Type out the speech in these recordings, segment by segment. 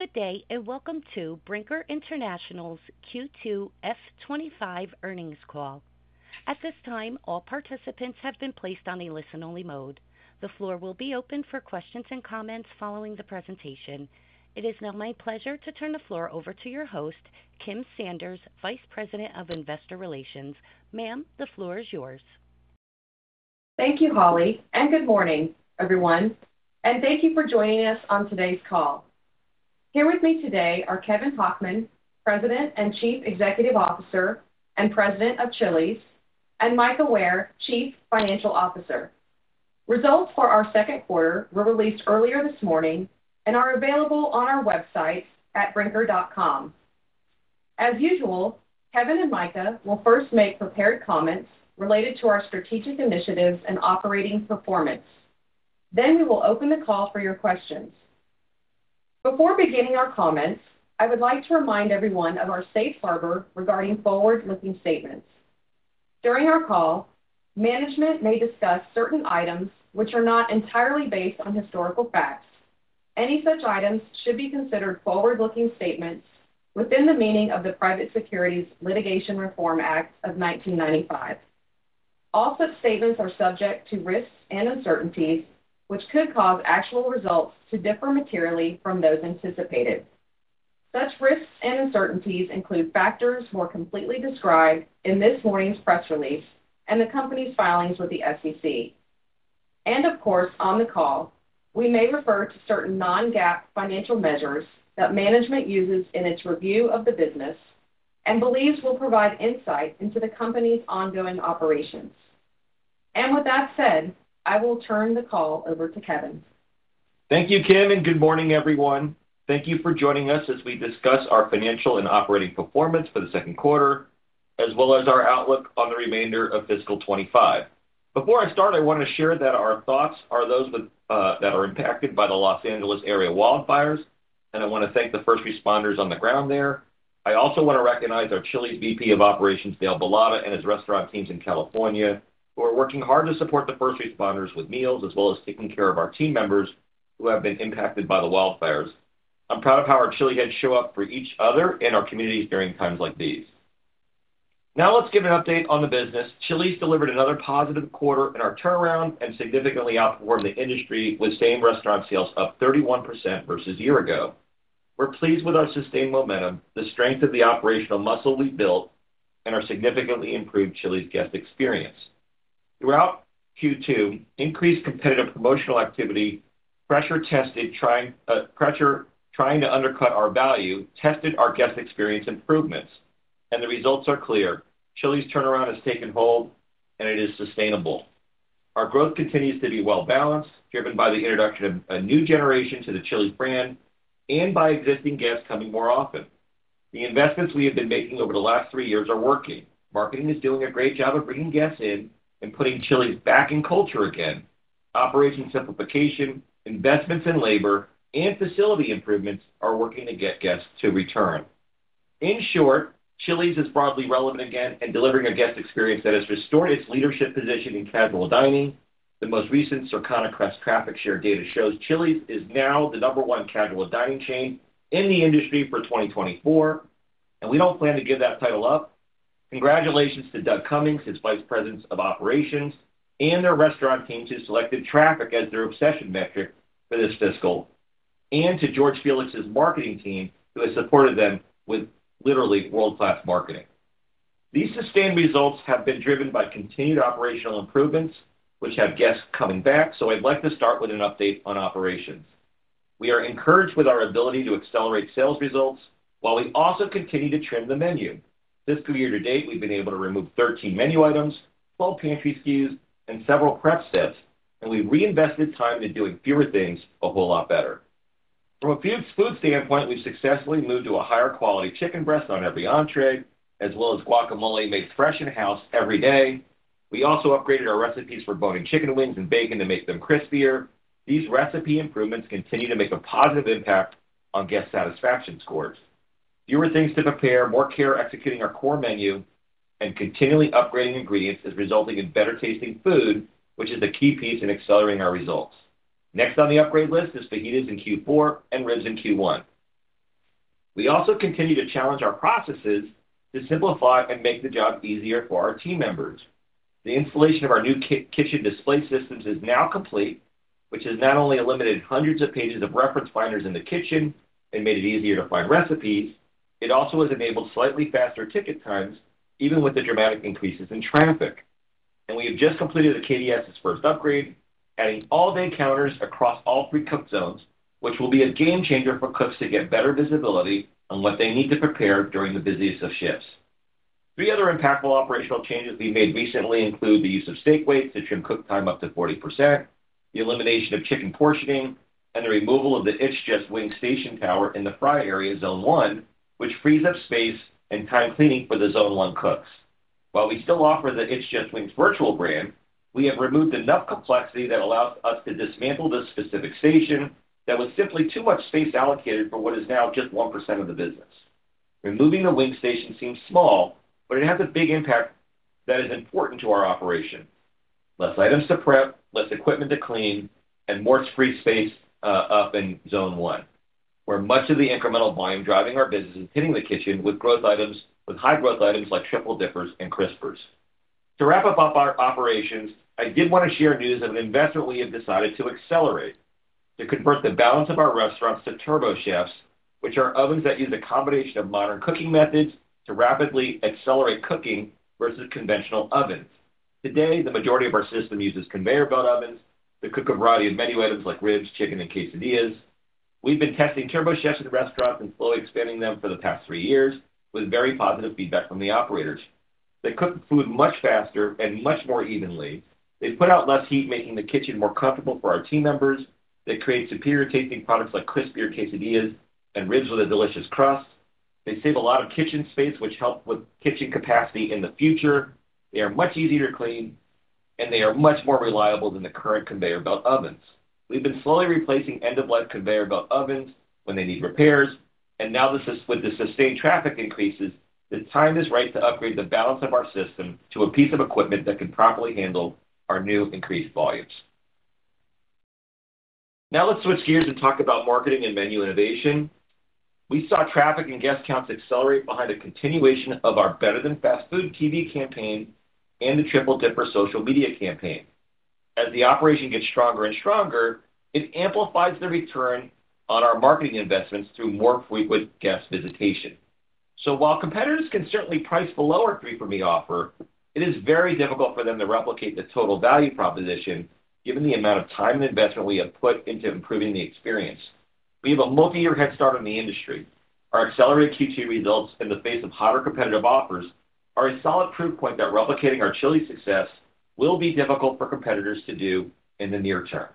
Good day and welcome to Brinker International's Q2 FY 2025 earnings call. At this time, all participants have been placed on a listen-only mode. The floor will be open for questions and comments following the presentation. It is now my pleasure to turn the floor over to your host, Kim Sanders, Vice President of Investor Relations. Ma'am, the floor is yours. Thank you, Holly, and good morning, everyone, and thank you for joining us on today's call. Here with me today are Kevin Hochman, President and Chief Executive Officer and President of Chili's, and Mika Ware, Chief Financial Officer. Results for our second quarter were released earlier this morning and are available on our website at brinker.com. As usual, Kevin and Mika will first make prepared comments related to our strategic initiatives and operating performance, then we will open the call for your questions. Before beginning our comments, I would like to remind everyone of our safe harbor regarding forward-looking statements. During our call, management may discuss certain items which are not entirely based on historical facts. Any such items should be considered forward-looking statements within the meaning of the Private Securities Litigation Reform Act of 1995. All such statements are subject to risks and uncertainties which could cause actual results to differ materially from those anticipated. Such risks and uncertainties include factors more completely described in this morning's press release and the company's filings with the SEC. And of course, on the call, we may refer to certain non-GAAP financial measures that management uses in its review of the business and believes will provide insight into the company's ongoing operations. And with that said, I will turn the call over to Kevin. Thank you, Kim, and good morning, everyone. Thank you for joining us as we discuss our financial and operating performance for the second quarter, as well as our outlook on the remainder of fiscal 2025. Before I start, I want to share that our thoughts are with those that are impacted by the Los Angeles area wildfires, and I want to thank the first responders on the ground there. I also want to recognize our Chili's Vice President of Operations, Dale Bilotta, and his restaurant teams in California who are working hard to support the first responders with meals, as well as taking care of our team members who have been impacted by the wildfires. I'm proud of how our chili heads show up for each other and our communities during times like these. Now let's give an update on the business. Chili's delivered another positive quarter in our turnaround and significantly outperformed the industry with same restaurant sales up 31% versus a year ago. We're pleased with our sustained momentum, the strength of the operational muscle we've built, and our significantly improved Chili's guest experience. Throughout Q2, increased competitive promotional activity pressure-tested, trying to undercut our value, tested our guest experience improvements, and the results are clear. Chili's turnaround has taken hold, and it is sustainable. Our growth continues to be well-balanced, driven by the introduction of a new generation to the Chili's brand and by existing guests coming more often. The investments we have been making over the last three years are working. Marketing is doing a great job of bringing guests in and putting Chili's back in culture again. Operation simplification, investments in labor, and facility improvements are working to get guests to return. In short, Chili's is broadly relevant again in delivering a guest experience that has restored its leadership position in casual dining. The most recent Circana CREST traffic share data shows Chili's is now the number one casual dining chain in the industry for 2024, and we don't plan to give that title up. Congratulations to Doug Comings as Vice President of Operations and their restaurant team who selected traffic as their obsession metric for this fiscal, and to George Felix's marketing team who has supported them with literally world-class marketing. These sustained results have been driven by continued operational improvements, which have guests coming back, so I'd like to start with an update on operations. We are encouraged with our ability to accelerate sales results while we also continue to trim the menu. Fiscal year to date, we've been able to remove 13 menu items, 12 pantry SKUs, and several prep sets, and we've reinvested time into doing fewer things a whole lot better. From a food standpoint, we've successfully moved to a higher quality chicken breast on every entree, as well as guacamole made fresh in-house every day. We also upgraded our recipes for bone-in chicken wings and bacon to make them crispier. These recipe improvements continue to make a positive impact on guest satisfaction scores. Fewer things to prepare, more care executing our core menu, and continually upgrading ingredients is resulting in better tasting food, which is a key piece in accelerating our results. Next on the upgrade list is fajitas in Q4 and ribs in Q1. We also continue to challenge our processes to simplify and make the job easier for our team members. The installation of our new kitchen display systems is now complete, which has not only eliminated hundreds of pages of reference binders in the kitchen and made it easier to find recipes, it also has enabled slightly faster ticket times, even with the dramatic increases in traffic. And we have just completed the KDS's first upgrade, adding all-day counters across all three cook zones, which will be a game changer for cooks to get better visibility on what they need to prepare during the busiest of shifts. Three other impactful operational changes we made recently include the use of steak weights to trim cook time up to 40%, the elimination of chicken portioning, and the removal of the It's Just Wings station tower in the fry area, Zone 1, which frees up space and time cleaning for the Zone 1 cooks. While we still offer the It's Just Wings virtual brand, we have removed enough complexity that allows us to dismantle this specific station that was simply too much space allocated for what is now just 1% of the business. Removing the wing station seems small, but it has a big impact that is important to our operation. Less items to prep, less equipment to clean, and more free space up in Zone 1, where much of the incremental volume driving our business is hitting the kitchen with high-growth items like Triple Dippers and Crispers. To wrap up our operations, I did want to share news of an initiative we have decided to accelerate to convert the balance of our restaurants to TurboChef, which are ovens that use a combination of modern cooking methods to rapidly accelerate cooking versus conventional ovens. Today, the majority of our system uses conveyor belt ovens to cook a variety of menu items like ribs, chicken, and quesadillas. We've been testing TurboChefs in restaurants and slowly expanding them for the past three years with very positive feedback from the operators. They cook food much faster and much more evenly. They put out less heat, making the kitchen more comfortable for our team members. They create superior tasting products like crispier quesadillas and ribs with a delicious crust. They save a lot of kitchen space, which helps with kitchen capacity in the future. They are much easier to clean, and they are much more reliable than the current conveyor belt ovens. We've been slowly replacing end-of-life conveyor belt ovens when they need repairs. And now, with the sustained traffic increases, the time is right to upgrade the balance of our system to a piece of equipment that can properly handle our new increased volumes. Now let's switch gears and talk about marketing and menu innovation. We saw traffic and guest counts accelerate behind a continuation of our Better Than Fast Food TV campaign and the Triple Dipper social media campaign. As the operation gets stronger and stronger, it amplifies the return on our marketing investments through more frequent guest visitation. So while competitors can certainly price below our 3 For Me offer, it is very difficult for them to replicate the total value proposition given the amount of time and investment we have put into improving the experience. We have a multi-year head start in the industry. Our accelerated Q2 results in the face of hotter competitive offers are a solid proof point that replicating our Chili's success will be difficult for competitors to do in the near term.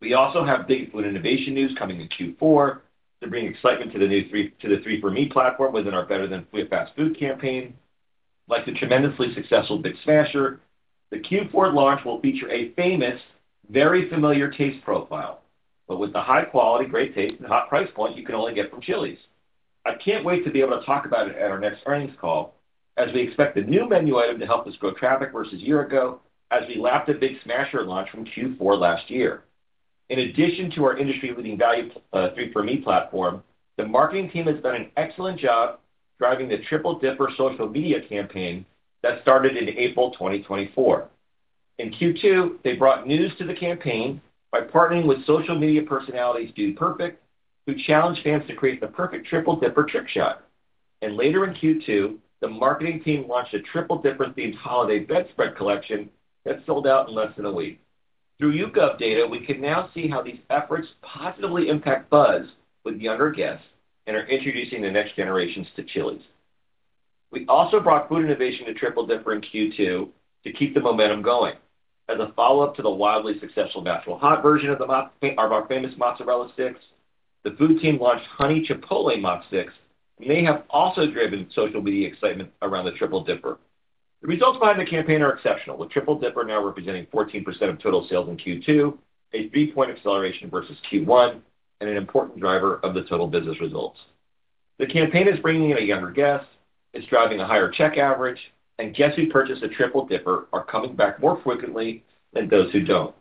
We also have big food innovation news coming in Q4 to bring excitement to the 3 For Me platform within our Better Than Fast Food campaign, like the tremendously successful Big Smasher. The Q4 launch will feature a famous, very familiar taste profile, but with the high quality, great taste, and hot price point you can only get from Chili's. I can't wait to be able to talk about it at our next earnings call as we expect a new menu item to help us grow traffic versus a year ago as we lapped a Big Smasher launch from Q4 last year. In addition to our industry-leading value 3 For Me platform, the marketing team has done an excellent job driving the Triple Dipper social media campaign that started in April 2024. In Q2, they brought new to the campaign by partnering with social media personalities Dude Perfect, who challenged fans to create the perfect Triple Dipper trick shot. And later in Q2, the marketing team launched a Triple Dipper-themed holiday bedspread collection that sold out in less than a week. Through YouGov data, we can now see how these efforts positively impact buzz with younger guests and are introducing the next generations to Chili's. We also brought food innovation to Triple Dipper in Q2 to keep the momentum going. As a follow-up to the wildly successful natural hot version of our famous mozzarella sticks, the food team launched Honey Chipotle Mozzarella Sticks, which may have also driven social media excitement around the Triple Dipper. The results behind the campaign are exceptional, with Triple Dipper now representing 14% of total sales in Q2, a three-point acceleration versus Q1, and an important driver of the total business results. The campaign is bringing in a younger guest. It's driving a higher check average, and guests who purchase a Triple Dipper are coming back more frequently than those who don't.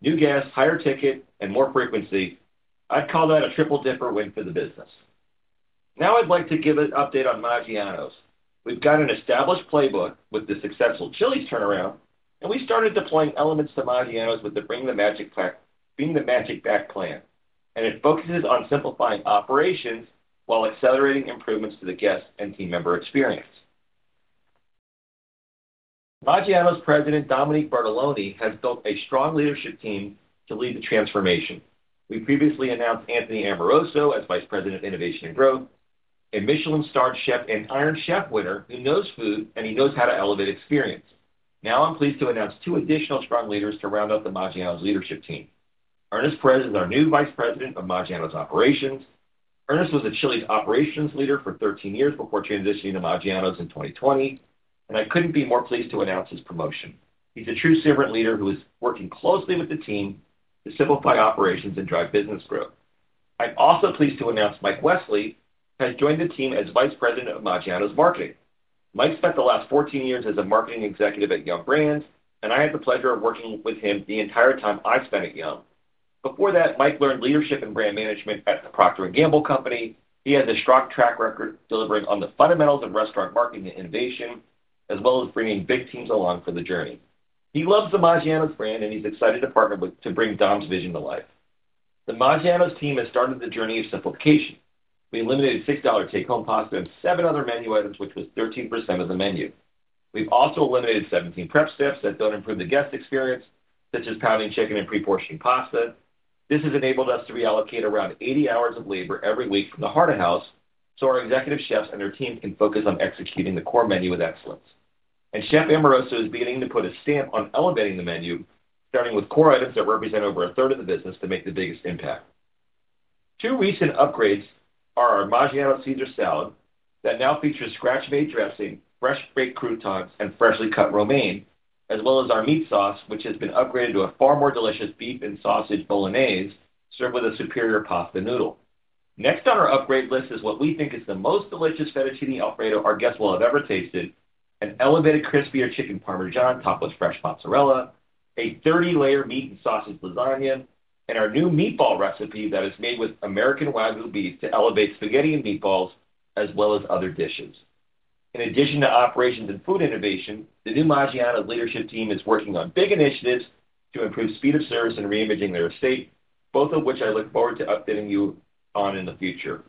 New guests, higher ticket, and more frequency. I'd call that a Triple Dipper win for the business. Now I'd like to give an update on Maggiano's. We've got an established playbook with the successful Chili's turnaround, and we started deploying elements to Maggiano's with the Bring the Magic Back plan. It focuses on simplifying operations while accelerating improvements to the guest and team member experience. Maggiano's President Dominic Bartoloni has built a strong leadership team to lead the transformation. We previously announced Anthony Amoroso as Vice President of Innovation and Growth, a Michelin-starred chef and Iron Chef winner who knows food and he knows how to elevate experience. Now I'm pleased to announce two additional strong leaders to round up the Maggiano's leadership team. Ernest Perez is our new Vice President of Maggiano's Operations. Ernest was a Chili's operations leader for 13 years before transitioning to Maggiano's in 2020, and I couldn't be more pleased to announce his promotion. He's a true servant leader who is working closely with the team to simplify operations and drive business growth. I'm also pleased to announce Mike Wesley, who has joined the team as Vice President of Maggiano's Marketing. Mike spent the last 14 years as a marketing executive at Yum! Brands, and I had the pleasure of working with him the entire time I spent at Yum!. Before that, Mike learned leadership and brand management at the Procter & Gamble Company. He has a strong track record delivering on the fundamentals of restaurant marketing and innovation, as well as bringing big teams along for the journey. He loves the Maggiano's brand, and he's excited to partner with to bring Dom's vision to life. The Maggiano's team has started the journey of simplification. We eliminated $6 take-home pasta and seven other menu items, which was 13% of the menu. We've also eliminated 17 prep steps that don't improve the guest experience, such as pounding chicken and pre-portioning pasta. This has enabled us to reallocate around 80 hours of labor every week from the heart of house so our executive chefs and their team can focus on executing the core menu with excellence, and Chef Amoroso is beginning to put a stamp on elevating the menu, starting with core items that represent over a third of the business to make the biggest impact. Two recent upgrades are our Maggiano's Caesar salad that now features scratch-made dressing, fresh baked croutons, and freshly cut romaine, as well as our meat sauce, which has been upgraded to a far more delicious beef and sausage bolognese served with a superior pasta noodle. Next on our upgrade list is what we think is the most delicious fettuccine Alfredo our guests will have ever tasted: an elevated crispier chicken parmigiana topped with fresh mozzarella, a 30-layer meat and sausage lasagna, and our new meatball recipe that is made with American Wagyu beef to elevate spaghetti and meatballs, as well as other dishes. In addition to operations and food innovation, the new Maggiano's leadership team is working on big initiatives to improve speed of service and reimaging their estate, both of which I look forward to updating you on in the future.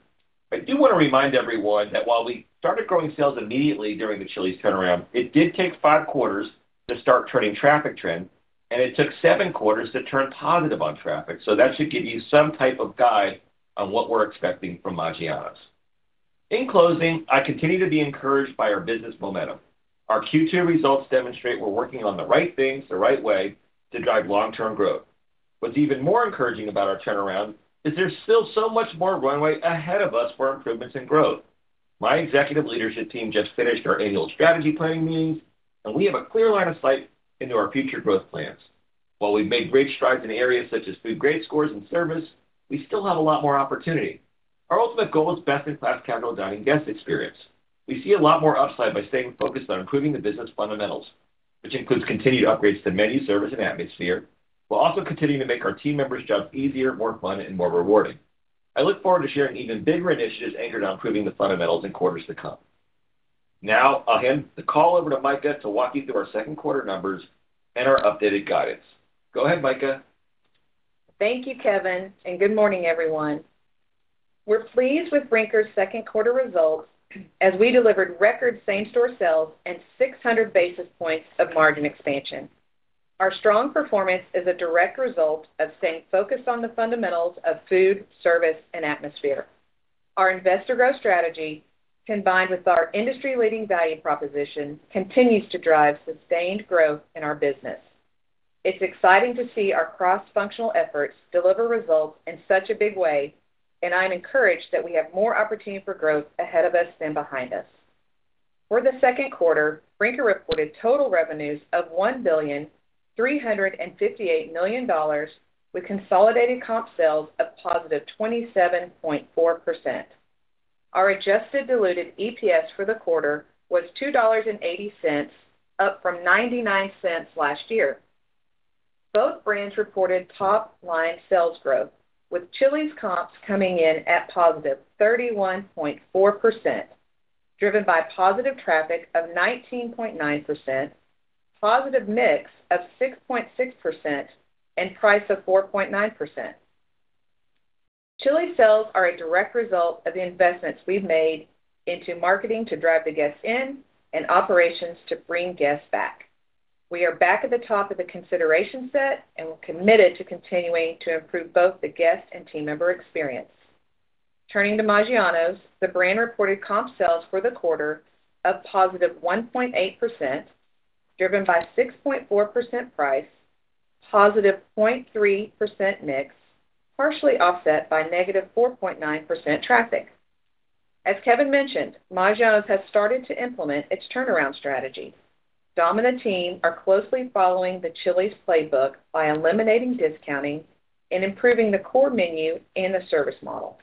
I do want to remind everyone that while we started growing sales immediately during the Chili's turnaround, it did take five quarters to start turning traffic trend, and it took seven quarters to turn positive on traffic. So that should give you some type of guide on what we're expecting from Maggiano's. In closing, I continue to be encouraged by our business momentum. Our Q2 results demonstrate we're working on the right things the right way to drive long-term growth. What's even more encouraging about our turnaround is there's still so much more runway ahead of us for improvements and growth. My executive leadership team just finished our annual strategy planning meetings, and we have a clear line of sight into our future growth plans. While we've made great strides in areas such as food grade scores and service, we still have a lot more opportunity. Our ultimate goal is best-in-class casual dining guest experience. We see a lot more upside by staying focused on improving the business fundamentals, which includes continued upgrades to menu, service, and atmosphere, while also continuing to make our team members' jobs easier, more fun, and more rewarding. I look forward to sharing even bigger initiatives anchored on improving the fundamentals in quarters to come. Now I'll hand the call over to to walk you through our second quarter numbers and our updated guidance. Go ahead, Mika. Thank you, Kevin, and good morning, everyone. We're pleased with Brinker's second quarter results as we delivered record same store sales and 600 basis points of margin expansion. Our strong performance is a direct result of staying focused on the fundamentals of food, service, and atmosphere. Our investor growth strategy, combined with our industry-leading value proposition, continues to drive sustained growth in our business. It's exciting to see our cross-functional efforts deliver results in such a big way, and I'm encouraged that we have more opportunity for growth ahead of us than behind us. For the second quarter, Brinker reported total revenues of $1,358 million, with consolidated comp sales of positive 27.4%. Our adjusted diluted EPS for the quarter was $2.80, up from $0.99 last year. Both brands reported top-line sales growth, with Chili's comps coming in at positive 31.4%, driven by positive traffic of 19.9%, positive mix of 6.6%, and price of 4.9%. Chili's sales are a direct result of the investments we've made into marketing to drive the guests in and operations to bring guests back. We are back at the top of the consideration set and are committed to continuing to improve both the guest and team member experience. Turning to Maggiano's, the brand reported comp sales for the quarter of positive 1.8%, driven by 6.4% price, positive 0.3% mix, partially offset by negative 4.9% traffic. As Kevin mentioned, Maggiano's has started to implement its turnaround strategy. Dom and the team are closely following the Chili's playbook by eliminating discounting and improving the core menu and the service model.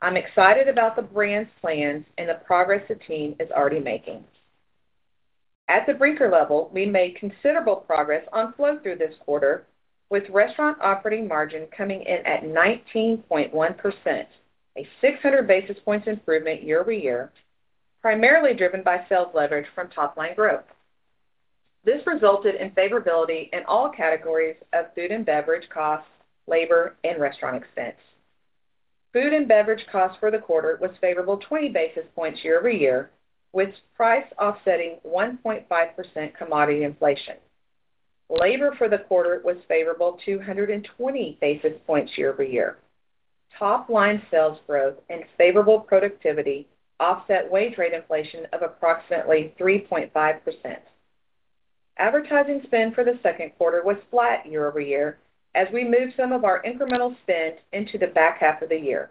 I'm excited about the brand's plans and the progress the team is already making. At the Brinker level, we made considerable progress on flow through this quarter, with restaurant operating margin coming in at 19.1%, a 600 basis points improvement year-over-year, primarily driven by sales leverage from top-line growth. This resulted in favorability in all categories of food and beverage costs, labor, and restaurant expense. Food and beverage costs for the quarter were favorable 20 basis points year-over-year, with price offsetting 1.5% commodity inflation. Labor for the quarter was favorable 220 basis points year-over-year. Top-line sales growth and favorable productivity offset wage rate inflation of approximately 3.5%. Advertising spend for the second quarter was flat year-over-year as we moved some of our incremental spend into the back half of the year.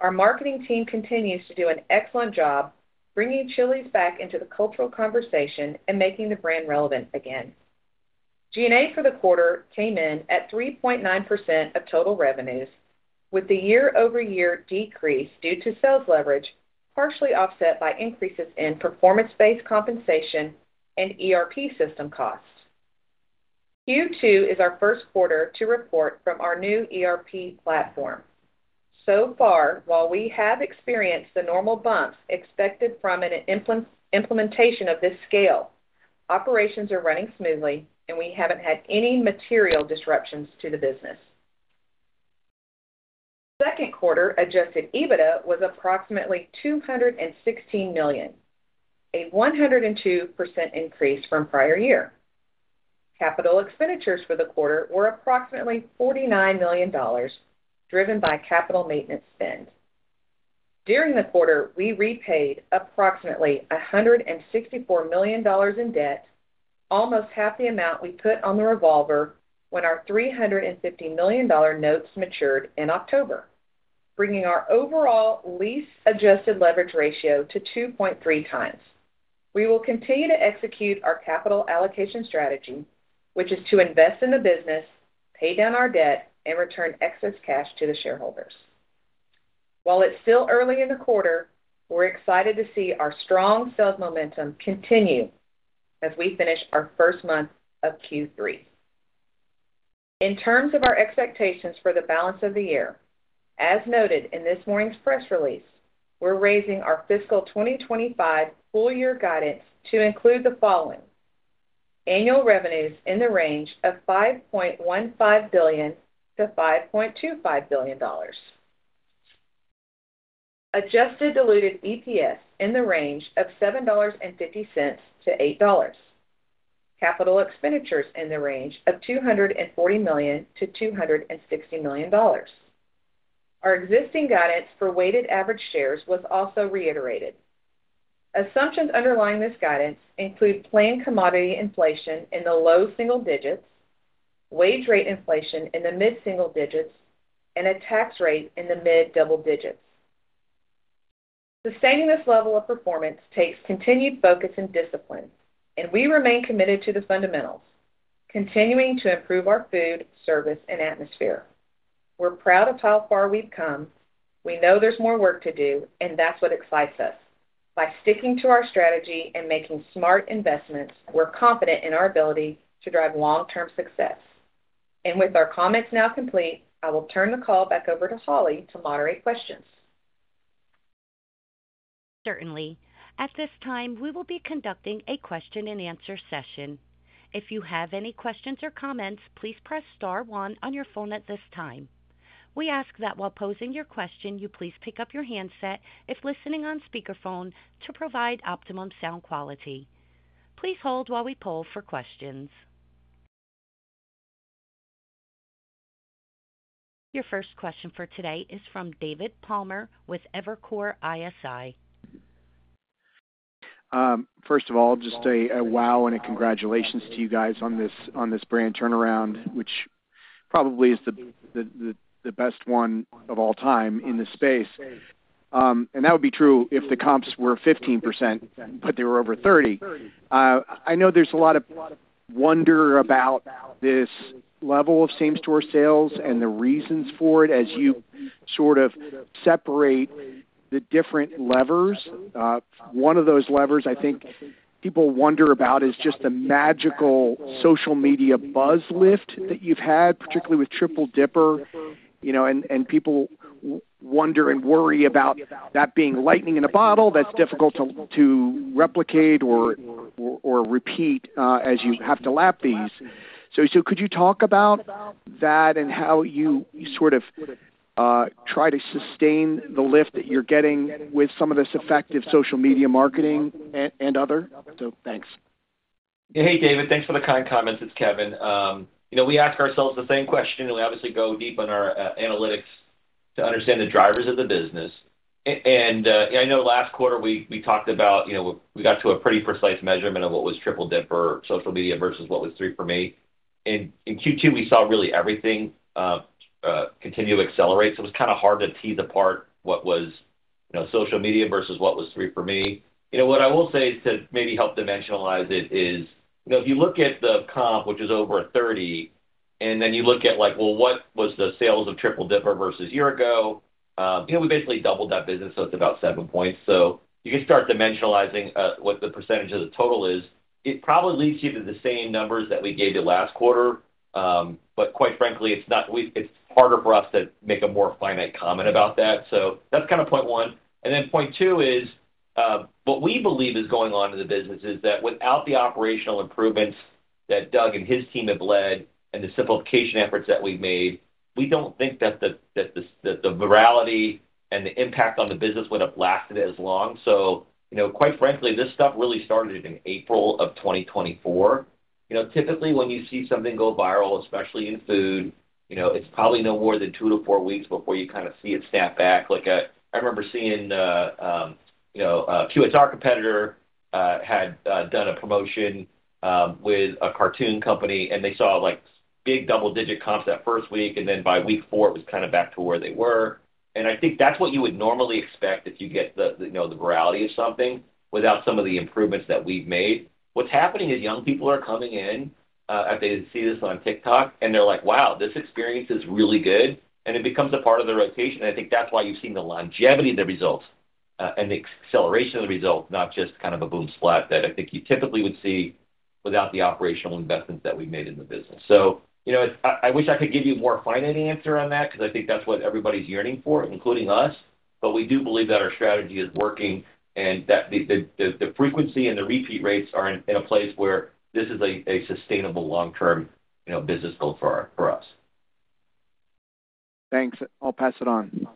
Our marketing team continues to do an excellent job bringing Chili's back into the cultural conversation and making the brand relevant again. G&A for the quarter came in at 3.9% of total revenues, with the year-over-year decrease due to sales leverage partially offset by increases in performance-based compensation and ERP system costs. Q2 is our first quarter to report from our new ERP platform. So far, while we have experienced the normal bumps expected from an implementation of this scale, operations are running smoothly, and we haven't had any material disruptions to the business. Second quarter Adjusted EBITDA was approximately $216 million, a 102% increase from prior year. Capital expenditures for the quarter were approximately $49 million, driven by capital maintenance spend. During the quarter, we repaid approximately $164 million in debt, almost half the amount we put on the revolver when our $350 million notes matured in October, bringing our overall lease adjusted leverage ratio to 2.3x. We will continue to execute our capital allocation strategy, which is to invest in the business, pay down our debt, and return excess cash to the shareholders. While it's still early in the quarter, we're excited to see our strong sales momentum continue as we finish our first month of Q3. In terms of our expectations for the balance of the year, as noted in this morning's press release, we're raising our fiscal 2025 full-year guidance to include the following: annual revenues in the range of $5.15 billion-$5.25 billion, adjusted diluted EPS in the range of $7.50-$8, capital expenditures in the range of $240 million-$260 million. Our existing guidance for weighted average shares was also reiterated. Assumptions underlying this guidance include food commodity inflation in the low single digits, wage rate inflation in the mid-single digits, and a tax rate in the mid-double digits. Sustaining this level of performance takes continued focus and discipline, and we remain committed to the fundamentals, continuing to improve our food, service, and atmosphere. We're proud of how far we've come. We know there's more work to do, and that's what excites us. By sticking to our strategy and making smart investments, we're confident in our ability to drive long-term success. And with our comments now complete, I will turn the call back over to Holly to moderate questions. Certainly. At this time, we will be conducting a question-and-answer session. If you have any questions or comments, please press star one on your phone at this time. We ask that while posing your question, you please pick up your handset if listening on speakerphone to provide optimum sound quality. Please hold while we poll for questions. Your first question for today is from David Palmer with Evercore ISI. First of all, just a wow and a congratulations to you guys on this brand turnaround, which probably is the best one of all time in the space. And that would be true if the comps were 15%, but they were over 30%. I know there's a lot of wonder about this level of same-store sales and the reasons for it as you sort of separate the different levers. One of those levers I think people wonder about is just the magical social media buzz lift that you've had, particularly with Triple Dipper, and people wonder and worry about that being lightning in a bottle that's difficult to replicate or repeat as you have to lap these, so could you talk about that and how you sort of try to sustain the lift that you're getting with some of this effective social media marketing and other? So, thanks. Hey, David. Thanks for the kind comments. It's Kevin. We ask ourselves the same question, and we obviously go deep on our analytics to understand the drivers of the business, and I know last quarter we talked about we got to a pretty precise measurement of what was Triple Dipper social media versus what was 3 For Me. In Q2, we saw really everything continue to accelerate. It was kind of hard to tease apart what was social media versus what was 3 For Me. What I will say to maybe help dimensionalize it is if you look at the comp, which is over 30, and then you look at, well, what was the sales of Triple Dipper versus a year ago, we basically doubled that business, so it's about seven points. So you can start dimensionalizing what the percentage of the total is. It probably leads you to the same numbers that we gave you last quarter, but quite frankly, it's harder for us to make a more finite comment about that. So that's kind of point one. And then point two is what we believe is going on in the business is that without the operational improvements that Doug and his team have led and the simplification efforts that we've made, we don't think that the virality and the impact on the business would have lasted as long. So quite frankly, this stuff really started in April of 2024. Typically, when you see something go viral, especially in food, it's probably no more than two to four weeks before you kind of see it snap back. I remember seeing a QSR competitor had done a promotion with a cartoon company, and they saw big double-digit comps that first week, and then by week four, it was kind of back to where they were. And I think that's what you would normally expect if you get the virality of something without some of the improvements that we've made. What's happening is young people are coming in, as they see this on TikTok, and they're like, "Wow, this experience is really good," and it becomes a part of the rotation. And I think that's why you've seen the longevity of the results and the acceleration of the results, not just kind of a boom splat that I think you typically would see without the operational investments that we've made in the business. So I wish I could give you a more finite answer on that because I think that's what everybody's yearning for, including us, but we do believe that our strategy is working and that the frequency and the repeat rates are in a place where this is a sustainable long-term business goal for us. Thanks. I'll pass it on.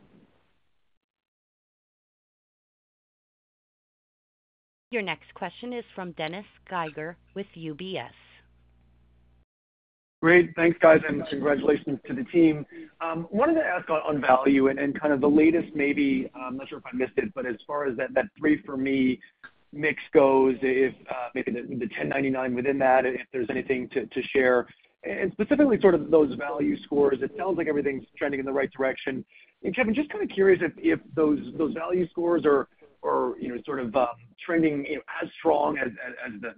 Your next question is from Dennis Geiger with UBS. Great. Thanks, guys, and congratulations to the team. I wanted to ask on value and kind of the latest, maybe I'm not sure if I missed it, but as far as that 3 For Me mix goes, maybe the $9.99 within that, if there's anything to share, and specifically sort of those value scores, it sounds like everything's trending in the right direction, and Kevin, just kind of curious if those value scores are sort of trending as strong as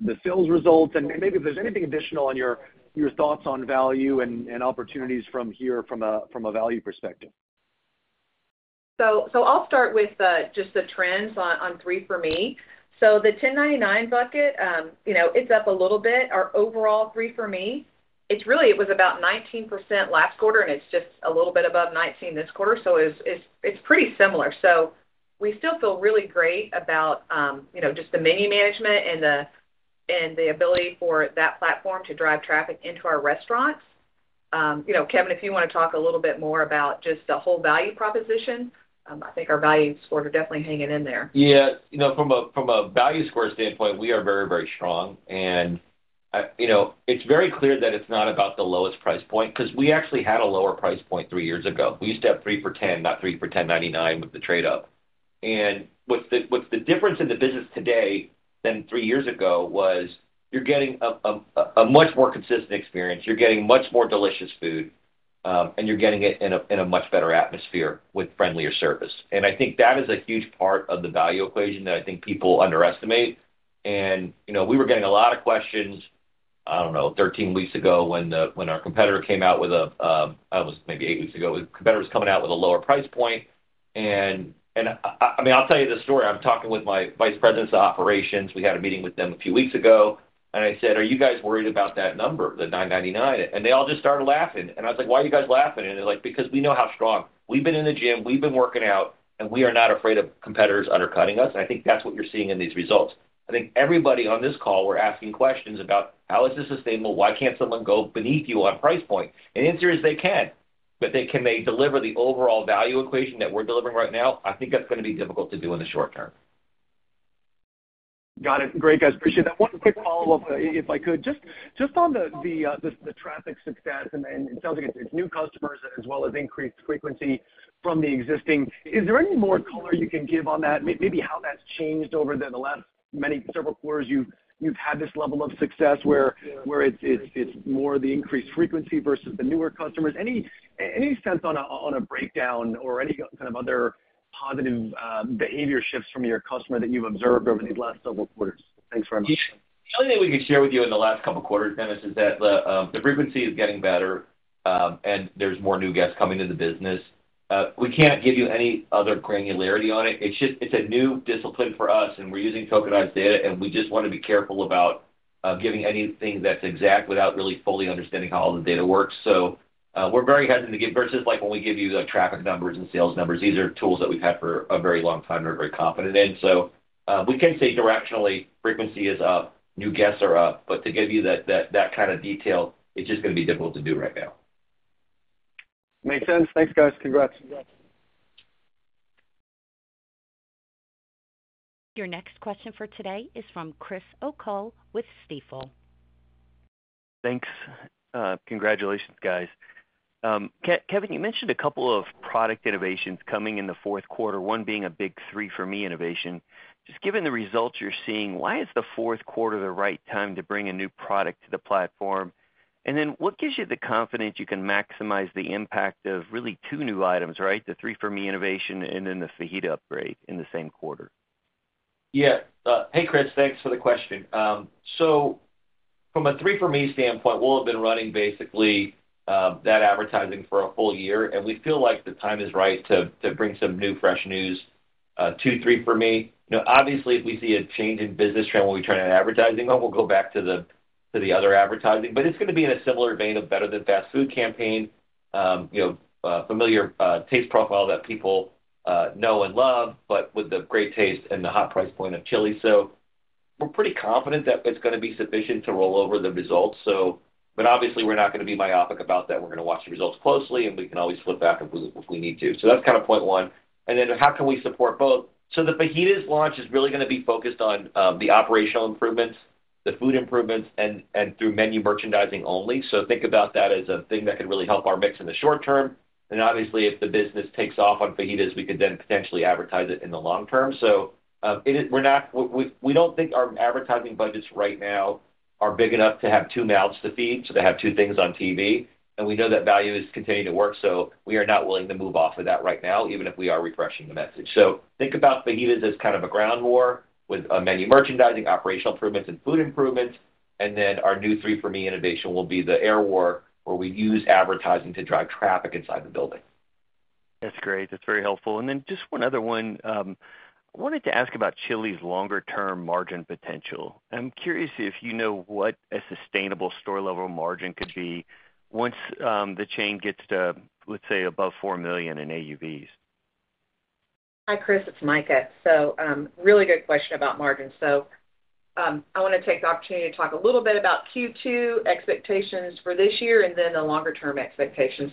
the sales results, and maybe if there's anything additional on your thoughts on value and opportunities from here from a value perspective. I'll start with just the trends on 3 For Me. The $9.99 bucket, it's up a little bit. Our overall 3 For Me, it's really it was about 19% last quarter, and it's just a little bit above 19% this quarter. It's pretty similar. So we still feel really great about just the menu management and the ability for that platform to drive traffic into our restaurants. Kevin, if you want to talk a little bit more about just the whole value proposition, I think our value scores are definitely hanging in there. Yeah. From a value score standpoint, we are very, very strong. And it's very clear that it's not about the lowest price point because we actually had a lower price point three years ago. We used to have 3 for $10, not three for $10.99 with the trade-off. And what's the difference in the business today than three years ago was you're getting a much more consistent experience. You're getting much more delicious food, and you're getting it in a much better atmosphere with friendlier service. I think that is a huge part of the value equation that I think people underestimate. We were getting a lot of questions, I don't know, 13 weeks ago when our competitor came out with a, that was maybe eight weeks ago, when the competitor was coming out with a lower price point. I mean, I'll tell you the story. I'm talking with my vice presidents of operations. We had a meeting with them a few weeks ago, and I said, "Are you guys worried about that number, the $9.99?" They all just started laughing. I was like, "Why are you guys laughing?" They're like, "Because we know how strong. We've been in the gym. We've been working out, and we are not afraid of competitors undercutting us." I think that's what you're seeing in these results. I think everybody on this call, we're asking questions about how is this sustainable? Why can't someone go beneath you on price point? And the answer is they can. But can they deliver the overall value equation that we're delivering right now? I think that's going to be difficult to do in the short term. Got it. Great, guys. Appreciate that. One quick follow-up, if I could. Just on the traffic success, and it sounds like it's new customers as well as increased frequency from the existing. Is there any more color you can give on that? Maybe how that's changed over the last many several quarters you've had this level of success where it's more the increased frequency versus the newer customers? Any sense on a breakdown or any kind of other positive behavior shifts from your customer that you've observed over these last several quarters? Thanks very much. The only thing we can share with you in the last couple of quarters, Dennis, is that the frequency is getting better, and there's more new guests coming to the business. We can't give you any other granularity on it. It's a new discipline for us, and we're using tokenized data, and we just want to be careful about giving anything that's exact without really fully understanding how all the data works. So we're very hesitant to give versus when we give you traffic numbers and sales numbers. These are tools that we've had for a very long time and are very confident in. So we can say directionally frequency is up, new guests are up, but to give you that kind of detail, it's just going to be difficult to do right now. Makes sense. Thanks, guys. Congrats. Your next question for today is from Chris O'Cull with Stifel. Thanks. Congratulations, guys. Kevin, you mentioned a couple of product innovations coming in the fourth quarter, one being a big 3 For Me innovation. Just given the results you're seeing, why is the fourth quarter the right time to bring a new product to the platform? And then what gives you the confidence you can maximize the impact of really two new items, right? The 3 For Me innovation and then the Fajita upgrade in the same quarter. Yeah. Hey, Chris, thanks for the question. So from a 3 For Me standpoint, we'll have been running basically that advertising for a full year, and we feel like the time is right to bring some new fresh news to 3 For Me. Obviously, if we see a change in business trend when we turn that advertising on, we'll go back to the other advertising. But it's going to be in a similar vein of better than fast food campaign, familiar taste profile that people know and love, but with the great taste and the hot price point of Chili's. So we're pretty confident that it's going to be sufficient to roll over the results. But obviously, we're not going to be myopic about that. We're going to watch the results closely, and we can always flip back if we need to. So that's kind of point one. And then how can we support both? So the Fajitas launch is really going to be focused on the operational improvements, the food improvements, and through menu merchandising only. So think about that as a thing that could really help our mix in the short term. And obviously, if the business takes off on Fajitas, we could then potentially advertise it in the long term. So we don't think our advertising budgets right now are big enough to have two mouths to feed, so to have two things on TV. And we know that value is continuing to work, so we are not willing to move off of that right now, even if we are refreshing the message. So think about Fajitas as kind of a ground war with menu merchandising, operational improvements, and food improvements. And then our new 3 For Me innovation will be the air war where we use advertising to drive traffic inside the building. That's great. That's very helpful. And then just one other one. I wanted to ask about Chili's longer-term margin potential. I'm curious if you know what a sustainable store-level margin could be once the chain gets to, let's say, above four million in AUVs. Hi, Chris. It's Mika. So really good question about margins. I want to take the opportunity to talk a little bit about Q2 expectations for this year and then the longer-term expectations.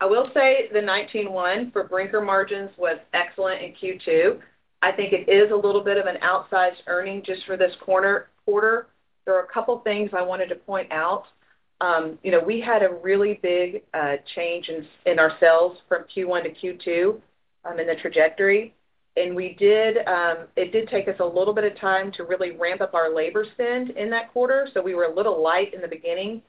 I will say the 19.1% for Brinker margins was excellent in Q2. I think it is a little bit of an outsized earnings just for this quarter. There are a couple of things I wanted to point out. We had a really big change in our sales from Q1 to Q2 in the trajectory. It did take us a little bit of time to really ramp up our labor spend in that quarter. We were a little light in the beginning.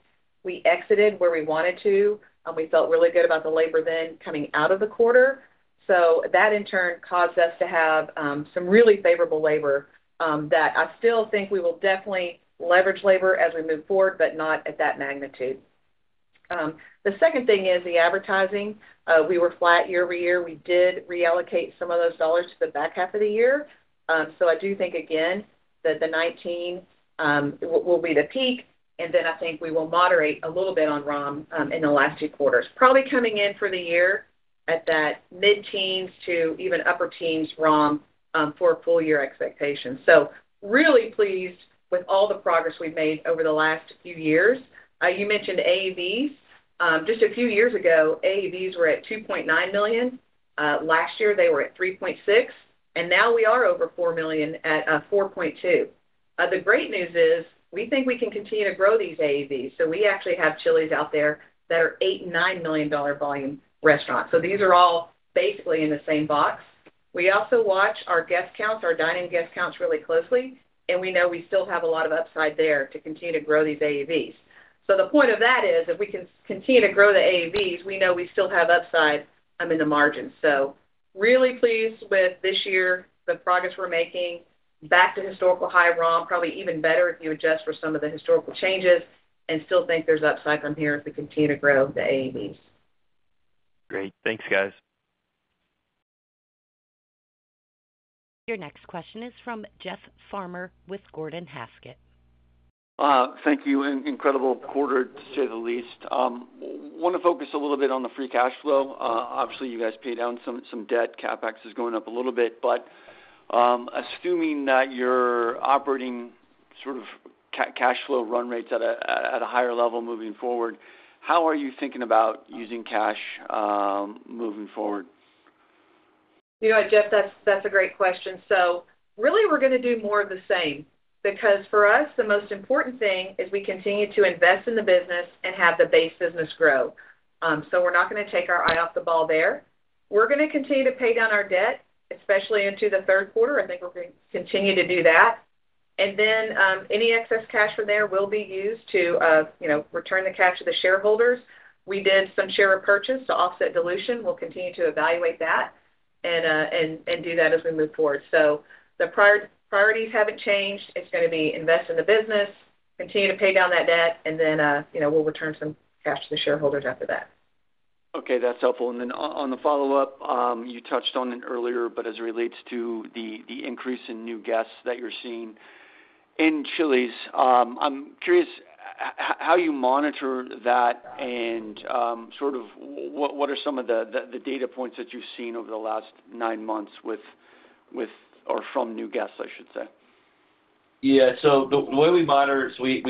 We exited where we wanted to, and we felt really good about the labor then coming out of the quarter. That, in turn, caused us to have some really favorable labor that I still think we will definitely leverage labor as we move forward, but not at that magnitude. The second thing is the advertising. We were flat year-over-year. We did reallocate some of those dollars to the back half of the year. I do think, again, that the 19% will be the peak, and then I think we will moderate a little bit on ROM in the last two quarters. Probably coming in for the year at that mid-teens% to even upper-teens% ROM for full-year expectations. Really pleased with all the progress we've made over the last few years. You mentioned AUVs. Just a few years ago, AUVs were at $2.9 million. Last year, they were at $3.6 million, and now we are over $4 million at $4.2 million. The great news is we think we can continue to grow these AUVs. So we actually have Chili's out there that are $8 million and $9 million volume restaurants. So these are all basically in the same box. We also watch our guest counts, our dining guest counts really closely, and we know we still have a lot of upside there to continue to grow these AUVs. So the point of that is if we can continue to grow the AUVs, we know we still have upside in the margins. So really pleased with this year, the progress we're making, back to historical high ROM, probably even better if you adjust for some of the historical changes and still think there's upside from here if we continue to grow the AUVs. Great. Thanks, guys. Your next question is from Jeff Farmer with Gordon Haskett. Thank you. An incredible quarter, to say the least. Want to focus a little bit on the free cash flow. Obviously, you guys pay down some debt. CapEx is going up a little bit. But assuming that you're operating sort of cash flow run rates at a higher level moving forward, how are you thinking about using cash moving forward? Jeff, that's a great question. So really, we're going to do more of the same because for us, the most important thing is we continue to invest in the business and have the base business grow. So we're not going to take our eye off the ball there. We're going to continue to pay down our debt, especially into the third quarter. I think we're going to continue to do that. And then any excess cash from there will be used to return the cash to the shareholders. We did some share repurchase to offset dilution. We'll continue to evaluate that and do that as we move forward, so the priorities haven't changed. It's going to be invest in the business, continue to pay down that debt, and then we'll return some cash to the shareholders after that. Okay. That's helpful, and then on the follow-up, you touched on it earlier, but as it relates to the increase in new guests that you're seeing in Chili's, I'm curious how you monitor that and sort of what are some of the data points that you've seen over the last nine months with or from new guests, I should say. Yeah. So the way we monitor, so we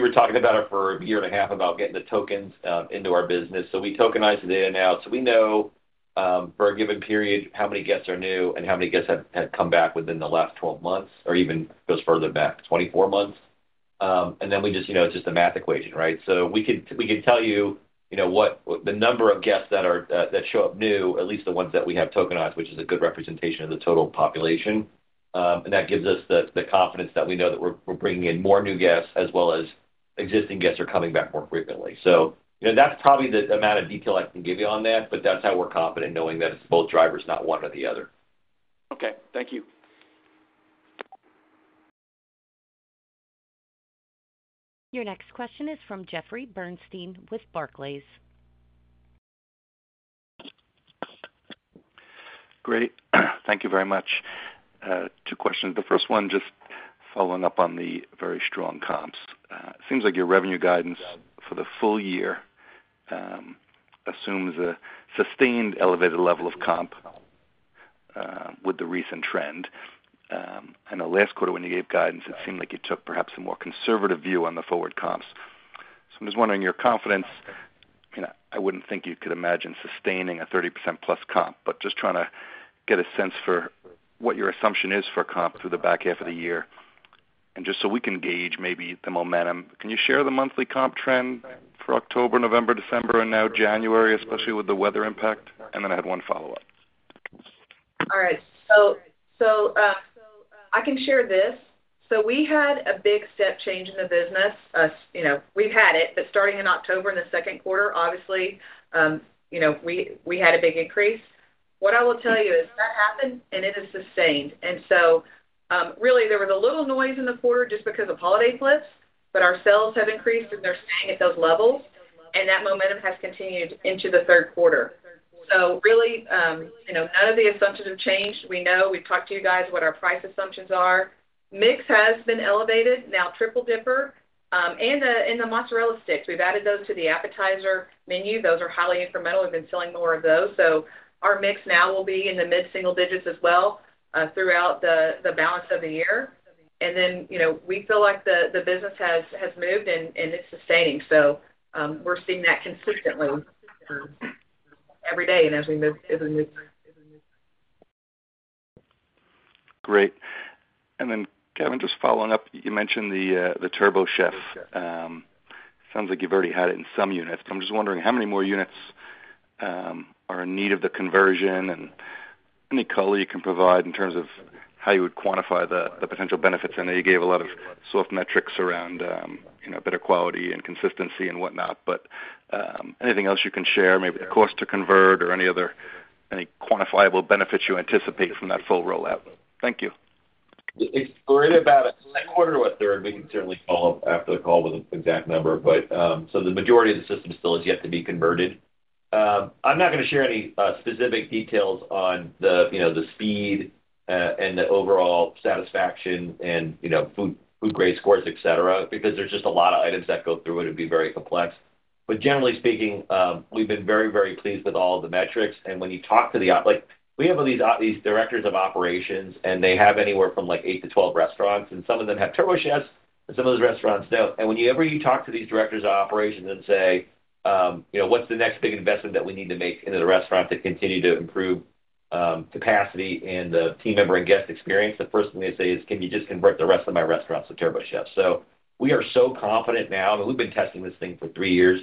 were talking about it for a year and a half about getting the tokens into our business. So we tokenize the data now. So we know for a given period how many guests are new and how many guests have come back within the last 12 months or even goes further back, 24 months. And then it's just a math equation, right? So we can tell you the number of guests that show up new, at least the ones that we have tokenized, which is a good representation of the total population. And that gives us the confidence that we know that we're bringing in more new guests as well as existing guests are coming back more frequently. So that's probably the amount of detail I can give you on that, but that's how we're confident knowing that it's both drivers, not one or the other. Okay. Thank you. Your next question is from Jeffrey Bernstein with Barclays. Great. Thank you very much. Two questions. The first one, just following up on the very strong comps. It seems like your revenue guidance for the full year assumes a sustained elevated level of comp with the recent trend. In the last quarter, when you gave guidance, it seemed like you took perhaps a more conservative view on the forward comps. So I'm just wondering, your confidence, I mean, I wouldn't think you could imagine sustaining a 30% plus comp, but just trying to get a sense for what your assumption is for comp through the back half of the year. And just so we can gauge maybe the momentum, can you share the monthly comp trend for October, November, December, and now January, especially with the weather impact? And then I had one follow-up. All right. So I can share this. So we had a big step change in the business. We've had it, but starting in October in the second quarter, obviously, we had a big increase. What I will tell you is that happened, and it is sustained. And so really, there was a little noise in the quarter just because of holiday flips, but our sales have increased, and they're staying at those levels. And that momentum has continued into the third quarter. So really, none of the assumptions have changed. We know. We've talked to you guys what our price assumptions are. Mix has been elevated, now Triple Dipper, and the mozzarella sticks. We've added those to the appetizer menu. Those are highly incremental. We've been selling more of those. So our mix now will be in the mid-single digits as well throughout the balance of the year. And then we feel like the business has moved, and it's sustaining. So we're seeing that consistently every day and as we move through. Great. And then, Kevin, just following up, you mentioned the TurboChef. Sounds like you've already had it in some units. I'm just wondering how many more units are in need of the conversion and any color you can provide in terms of how you would quantify the potential benefits. I know you gave a lot of soft metrics around better quality and consistency and whatnot, but anything else you can share, maybe the cost to convert or any quantifiable benefits you anticipate from that full rollout? Thank you. It's great, about a quarter to a third. We can certainly follow up after the call with an exact number. But so the majority of the system still has yet to be converted. I'm not going to share any specific details on the speed and the overall satisfaction and food grade scores, etc., because there's just a lot of items that go through. It would be very complex. But generally speaking, we've been very, very pleased with all of the metrics. And when you talk to them, we have these directors of operations, and they have anywhere from eight to 12 restaurants. And some of them have TurboChefs, and some of those restaurants don't. And whenever you talk to these directors of operations and say, "What's the next big investment that we need to make into the restaurant to continue to improve capacity and the team member and guest experience?" The first thing they say is, "Can you just convert the rest of my restaurants to TurboChef?" So we are so confident now. I mean, we've been testing this thing for three years.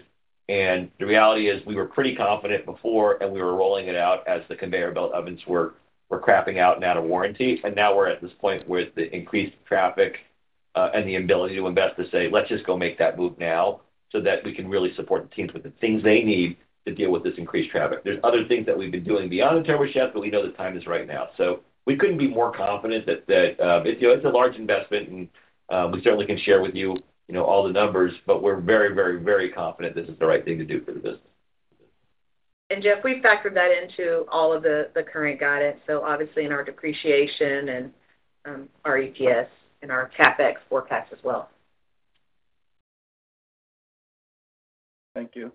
And the reality is we were pretty confident before, and we were rolling it out as the conveyor belt ovens were crapping out and out of warranty. And now we're at this point with the increased traffic and the ability to invest to say, "Let's just go make that move now so that we can really support the teams with the things they need to deal with this increased traffic." There's other things that we've been doing beyond the TurboChef, but we know the time is right now. So we couldn't be more confident that it's a large investment, and we certainly can share with you all the numbers, but we're very, very, very confident this is the right thing to do for the business. And Jeff, we factored that into all of the current guidance, so obviously in our depreciation and our EPS and our CapEx forecast as well. Thank you.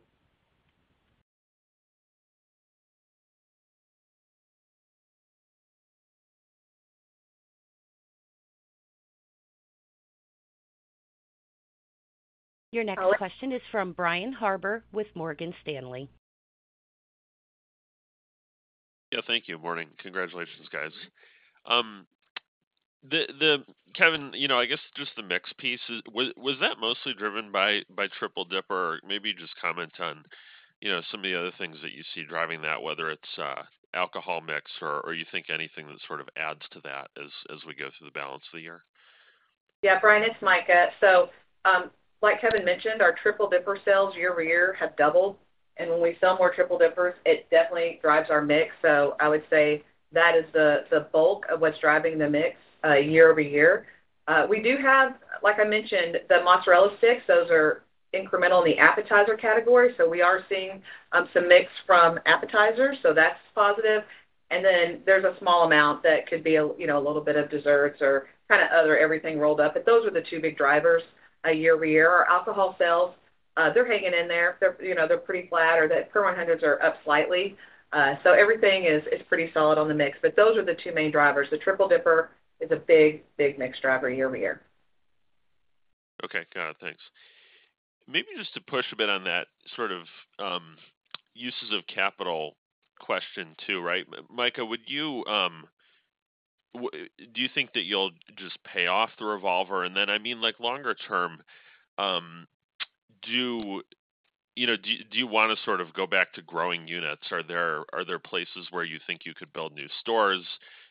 Your next question is from Brian Harbour with Morgan Stanley. Yeah. Thank you, Morgan. Congratulations, guys. Kevin, I guess just the mix piece, was that mostly driven by Triple Dipper? Maybe just comment on some of the other things that you see driving that, whether it's alcohol mix or you think anything that sort of adds to that as we go through the balance of the year? Yeah. Brian, it's Mika. So like Kevin mentioned, our Triple Dipper sales year-over-year have doubled. And when we sell more Triple Dippers, it definitely drives our mix. So I would say that is the bulk of what's driving the mix year-over-year. We do have, like I mentioned, the mozzarella sticks. Those are incremental in the appetizer category. So we are seeing some mix from appetizers. So that's positive. And then there's a small amount that could be a little bit of desserts or kind of other everything rolled up. But those are the two big drivers year-over-year. Our alcohol sales, they're hanging in there. They're pretty flat, or the per-person hundreds are up slightly. So everything is pretty solid on the mix. But those are the two main drivers. The Triple Dipper is a big, big mix driver year-over-year. Okay. Got it. Thanks. Maybe just to push a bit on that sort of uses of capital question too, right? Mika, do you think that you'll just pay off the revolver? And then, I mean, longer term, do you want to sort of go back to growing units? Are there places where you think you could build new stores?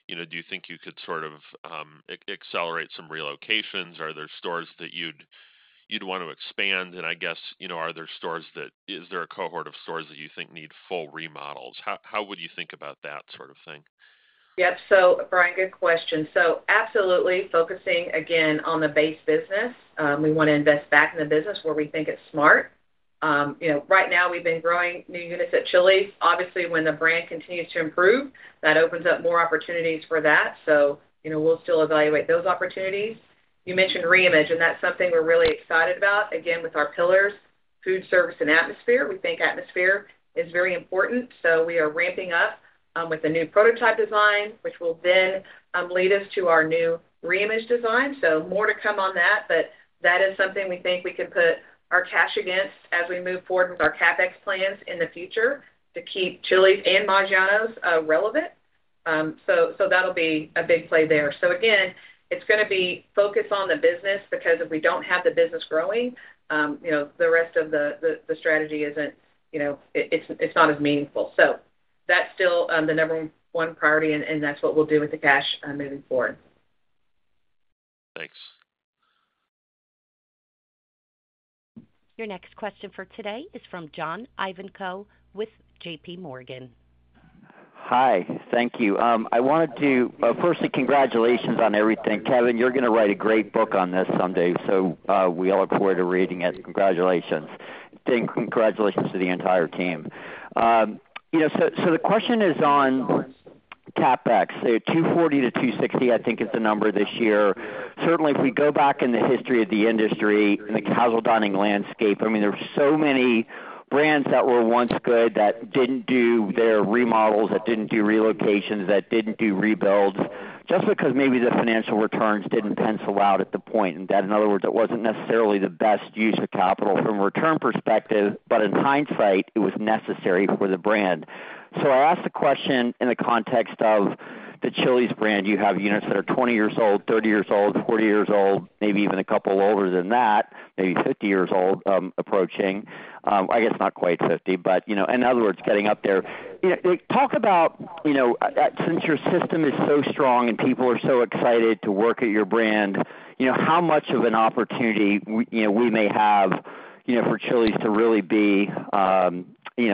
Do you think you could sort of accelerate some relocations? Are there stores that you'd want to expand? And I guess, are there stores that is there a cohort of stores that you think need full remodels? How would you think about that sort of thing? Yep. So, Brian, good question. So absolutely focusing again on the base business. We want to invest back in the business where we think it's smart. Right now, we've been growing new units at Chili's. Obviously, when the brand continues to improve, that opens up more opportunities for that. So we'll still evaluate those opportunities. You mentioned reimage, and that's something we're really excited about. Again, with our pillars, food service and atmosphere, we think atmosphere is very important. So we are ramping up with a new prototype design, which will then lead us to our new reimage design. So more to come on that, but that is something we think we can put our cash against as we move forward with our CapEx plans in the future to keep Chili's and Maggiano's relevant. So that'll be a big play there. So again, it's going to be focused on the business because if we don't have the business growing, the rest of the strategy isn't. It's not as meaningful. So that's still the number one priority, and that's what we'll do with the cash moving forward. Thanks. Your next question for today is from John Ivanko with JPMorgan. Hi. Thank you. I wanted to first say congratulations on everything. Kevin, you're going to write a great book on this someday. So we all look forward to reading it. Congratulations. Thank you. Congratulations to the entire team. So the question is on CapEx. So 240-260, I think, is the number this year. Certainly, if we go back in the history of the industry and the casual dining landscape, I mean, there were so many brands that were once good that didn't do their remodels, that didn't do relocations, that didn't do rebuilds just because maybe the financial returns didn't pencil out at the point. In other words, it wasn't necessarily the best use of capital from a return perspective, but in hindsight, it was necessary for the brand. So I asked the question in the context of the Chili's brand. You have units that are 20 years old, 30 years old, 40 years old, maybe even a couple older than that, maybe 50 years old approaching. I guess not quite 50, but in other words, getting up there. Talk about since your system is so strong and people are so excited to work at your brand, how much of an opportunity we may have for Chili's to really be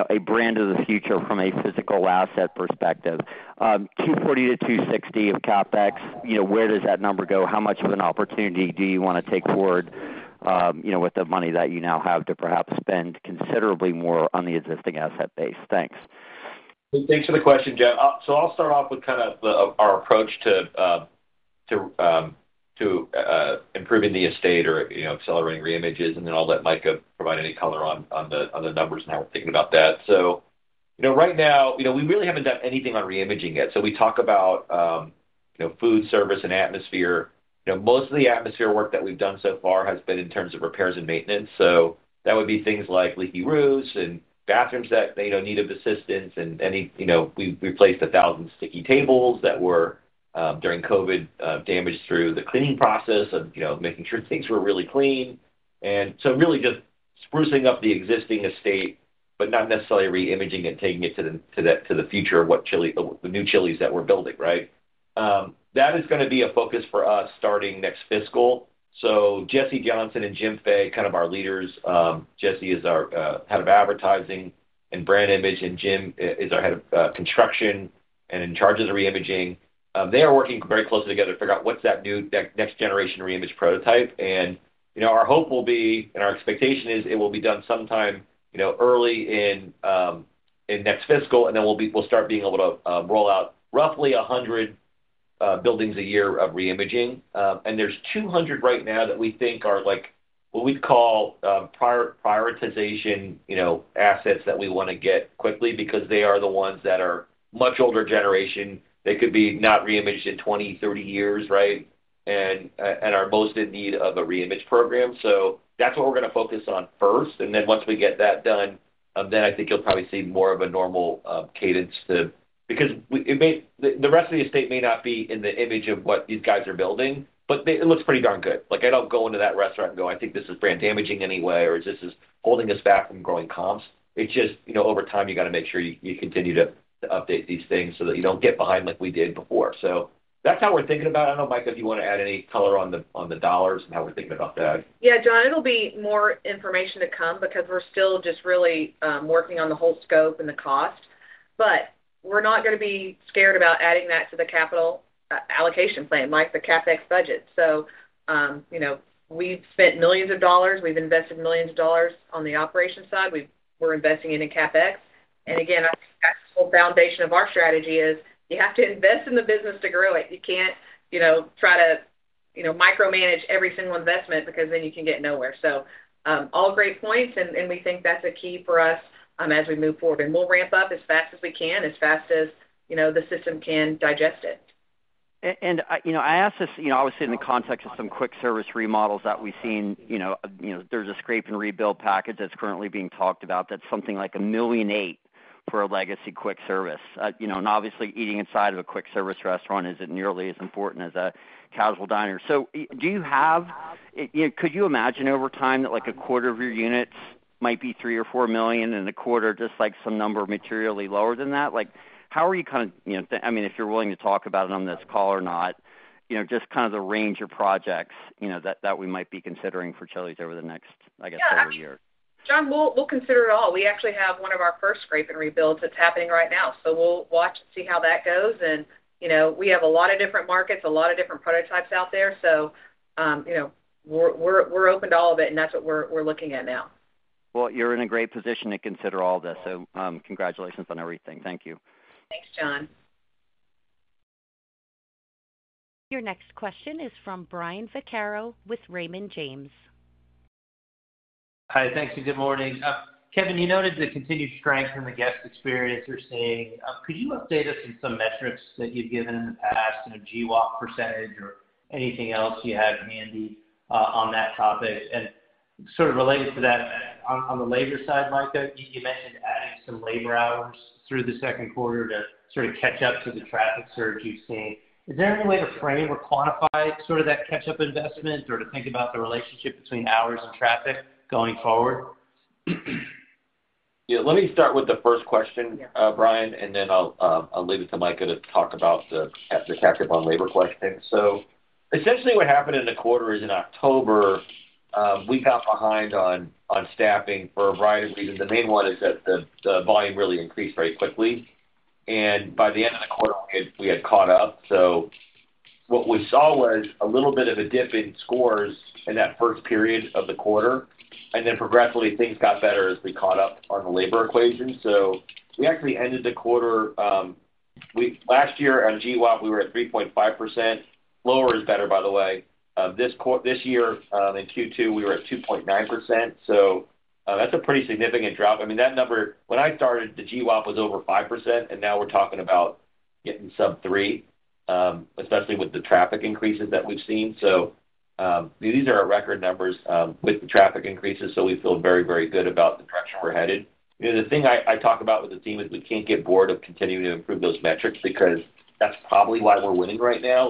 a brand of the future from a physical asset perspective? $240-$260 of CapEx, where does that number go? How much of an opportunity do you want to take forward with the money that you now have to perhaps spend considerably more on the existing asset base? Thanks. Thanks for the question, Jeff. So I'll start off with kind of our approach to improving the estate or accelerating reimages and then I'll let Mika provide any color on the numbers now thinking about that. So right now, we really haven't done anything on reimaging yet. So we talk about food service and atmosphere. Most of the atmosphere work that we've done so far has been in terms of repairs and maintenance, so that would be things like leaky roofs and bathrooms that needed assistance, and we replaced 1,000 sticky tables that were during COVID damaged through the cleaning process of making sure things were really clean, and so really just sprucing up the existing estate, but not necessarily reimaging and taking it to the future of what the new Chili's that we're building, right? That is going to be a focus for us starting next fiscal, so Jesse Johnson and Jim Fay, kind of our leaders. Jesse is our head of advertising and brand image, and Jim is our head of construction and in charge of the reimaging. They are working very closely together to figure out what's that next generation reimage prototype. Our hope will be, and our expectation is it will be done sometime early in next fiscal, and then we'll start being able to roll out roughly 100 buildings a year of reimaging. There's 200 right now that we think are what we'd call prioritization assets that we want to get quickly because they are the ones that are much older generation. They could be not reimaged in 20, 30 years, right? They are most in need of a reimage program. That's what we're going to focus on first. Once we get that done, then I think you'll probably see more of a normal cadence too because the rest of the estate may not be in the image of what these guys are building, but it looks pretty darn good. I don't go into that restaurant and go, "I think this is brand damaging anyway," or, "This is holding us back from growing comps." It's just over time, you got to make sure you continue to update these things so that you don't get behind like we did before. So that's how we're thinking about it. I don't know, Mika, if you want to add any color on the dollars and how we're thinking about that. Yeah, John, it'll be more information to come because we're still just really working on the whole scope and the cost. But we're not going to be scared about adding that to the capital allocation plan, like the CapEx budget. So we've spent millions of dollars. We've invested millions of dollars on the operation side. We're investing into CapEx. And again, that's the whole foundation of our strategy is you have to invest in the business to grow it. You can't try to micromanage every single investment because then you can get nowhere. So all great points, and we think that's a key for us as we move forward. And we'll ramp up as fast as we can, as fast as the system can digest it. And I asked this, obviously, in the context of some quick service remodels that we've seen. There's a scrape and rebuild package that's currently being talked about. That's something like $1.8 million for a legacy quick service. And obviously, eating inside of a quick service restaurant isn't nearly as important as a casual diner. So could you imagine over time that a quarter of your units might be $3 million or $4 million and a quarter just some number materially lower than that? How are you kind of, I mean, if you're willing to talk about it on this call or not, just kind of the range of projects that we might be considering for Chili's over the next, I guess, several years? John, we'll consider it all. We actually have one of our first scrape and rebuilds that's happening right now. So we'll watch and see how that goes. And we have a lot of different markets, a lot of different prototypes out there. So we're open to all of it, and that's what we're looking at now. Well, you're in a great position to consider all of this. So congratulations on everything. Thank you. Thanks, John. Your next question is from Brian Vaccaro with Raymond James. Hi. Thanks. And good morning. Kevin, you noted the continued strength in the guest experience you're seeing. Could you update us on some metrics that you've given in the past, GWAP percentage or anything else you have handy on that topic? And sort of related to that, on the labor side, Mika, you mentioned adding some labor hours through the second quarter to sort of catch up to the traffic surge you've seen. Is there any way to frame or quantify sort of that catch-up investment or to think about the relationship between hours and traffic going forward? Yeah. Let me start with the first question, Brian, and then I'll leave it to Mika to talk about the catch-up on labor question. So essentially, what happened in the quarter is in October, we got behind on staffing for a variety of reasons. The main one is that the volume really increased very quickly. And by the end of the quarter, we had caught up. So what we saw was a little bit of a dip in scores in that first period of the quarter. And then progressively, things got better as we caught up on the labor equation. So we actually ended the quarter last year on GWAP. We were at 3.5%. Lower is better, by the way. This year in Q2, we were at 2.9%. So that's a pretty significant drop. I mean, that number, when I started, the GWAP was over 5%, and now we're talking about getting sub-3, especially with the traffic increases that we've seen. So these are our record numbers with the traffic increases. So we feel very, very good about the direction we're headed. The thing I talk about with the team is we can't get bored of continuing to improve those metrics because that's probably why we're winning right now.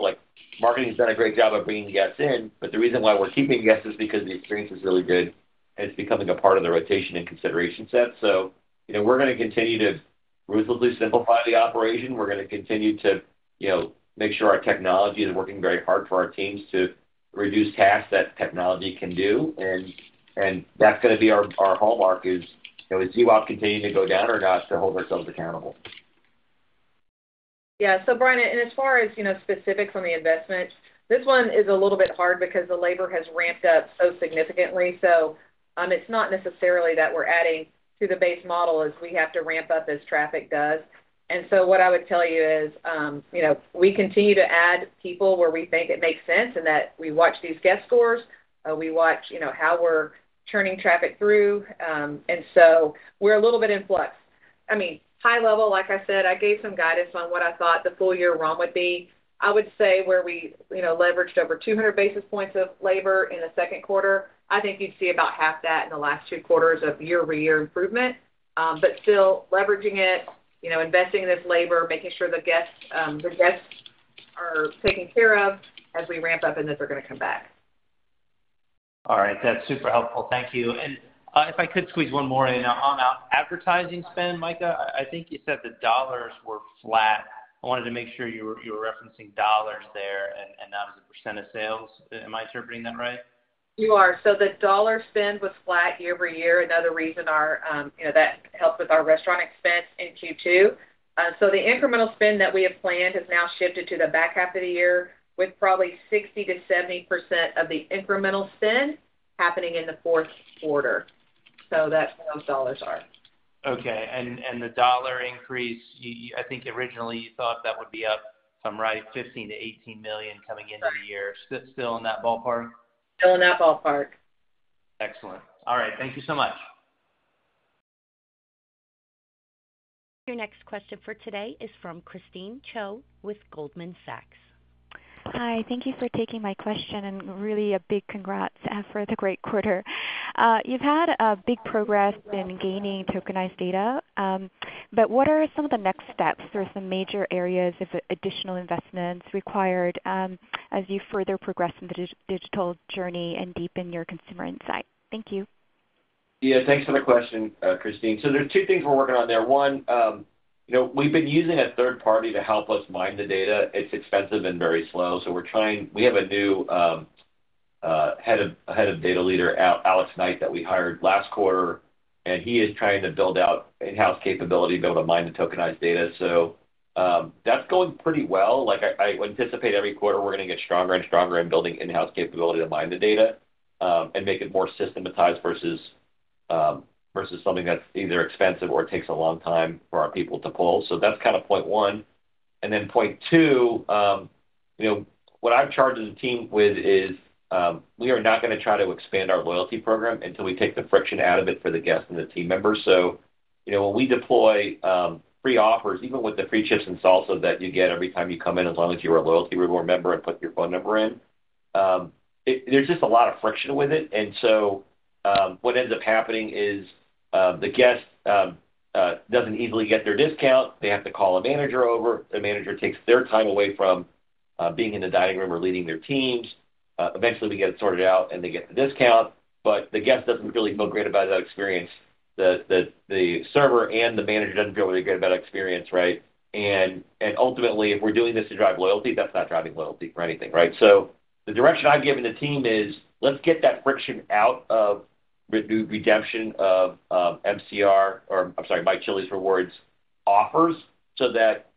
Marketing has done a great job of bringing guests in, but the reason why we're keeping guests is because the experience is really good, and it's becoming a part of the rotation and consideration set. So we're going to continue to reasonably simplify the operation. We're going to continue to make sure our technology is working very hard for our teams to reduce tasks that technology can do. And that's going to be our hallmark is GWAP continuing to go down or not to hold ourselves accountable. Yeah. So, Brian, and as far as specifics on the investment, this one is a little bit hard because the labor has ramped up so significantly. So it's not necessarily that we're adding to the base model as we have to ramp up as traffic does. And so what I would tell you is we continue to add people where we think it makes sense and that we watch these guest scores. We watch how we're churning traffic through. And so we're a little bit in flux. I mean, high level, like I said, I gave some guidance on what I thought the full year run would be. I would say where we leveraged over 200 basis points of labor in the second quarter, I think you'd see about half that in the last two quarters of year-over-year improvement. But still leveraging it, investing in this labor, making sure the guests are taken care of as we ramp up and that they're going to come back. All right. That's super helpful. Thank you. And if I could squeeze one more in on our advertising spend, Mika, I think you said the dollars were flat. I wanted to make sure you were referencing dollars there and not as a percent of sales. Am I interpreting that right? You are. So the dollar spend was flat year-over-year. Another reason that helped with our restaurant expense in Q2. So the incremental spend that we have planned has now shifted to the back half of the year with probably 60%-70% of the incremental spend happening in the fourth quarter. So that's where those dollars are. Okay. The dollar increase, I think originally you thought that would be up, if I'm right, $15 million-$18 million coming into the year. Still in that ballpark? Still in that ballpark. Excellent. All right. Thank you so much. Your next question for today is from Christine Cho with Goldman Sachs. Hi. Thank you for taking my question and really a big congrats for the great quarter. You've had big progress in gaining tokenized data, but what are some of the next steps? There are some major areas of additional investments required as you further progress in the digital journey and deepen your consumer insight. Thank you. Yeah. Thanks for the question, Christine. So there's two things we're working on there. One, we've been using a third party to help us mine the data. It's expensive and very slow. So we have a new head of data leader, Alex Knight, that we hired last quarter, and he is trying to build out in-house capability to be able to mine the tokenized data. So that's going pretty well. I anticipate every quarter we're going to get stronger and stronger in building in-house capability to mine the data and make it more systematized versus something that's either expensive or takes a long time for our people to pull. So that's kind of point one. And then point two, what I've charged the team with is we are not going to try to expand our loyalty program until we take the friction out of it for the guests and the team members. So when we deploy free offers, even with the free chips and salsa that you get every time you come in, as long as you're a loyalty reward member and put your phone number in, there's just a lot of friction with it. And so what ends up happening is the guest doesn't easily get their discount. They have to call a manager over. The manager takes their time away from being in the dining room or leading their teams. Eventually, we get it sorted out and they get the discount, but the guest doesn't really feel great about that experience. The server and the manager don't feel really good about that experience, right? And ultimately, if we're doing this to drive loyalty, that's not driving loyalty for anything, right? The direction I've given the team is let's get that friction out of redemption of MCR or, I'm sorry, My Chili's Rewards offers so that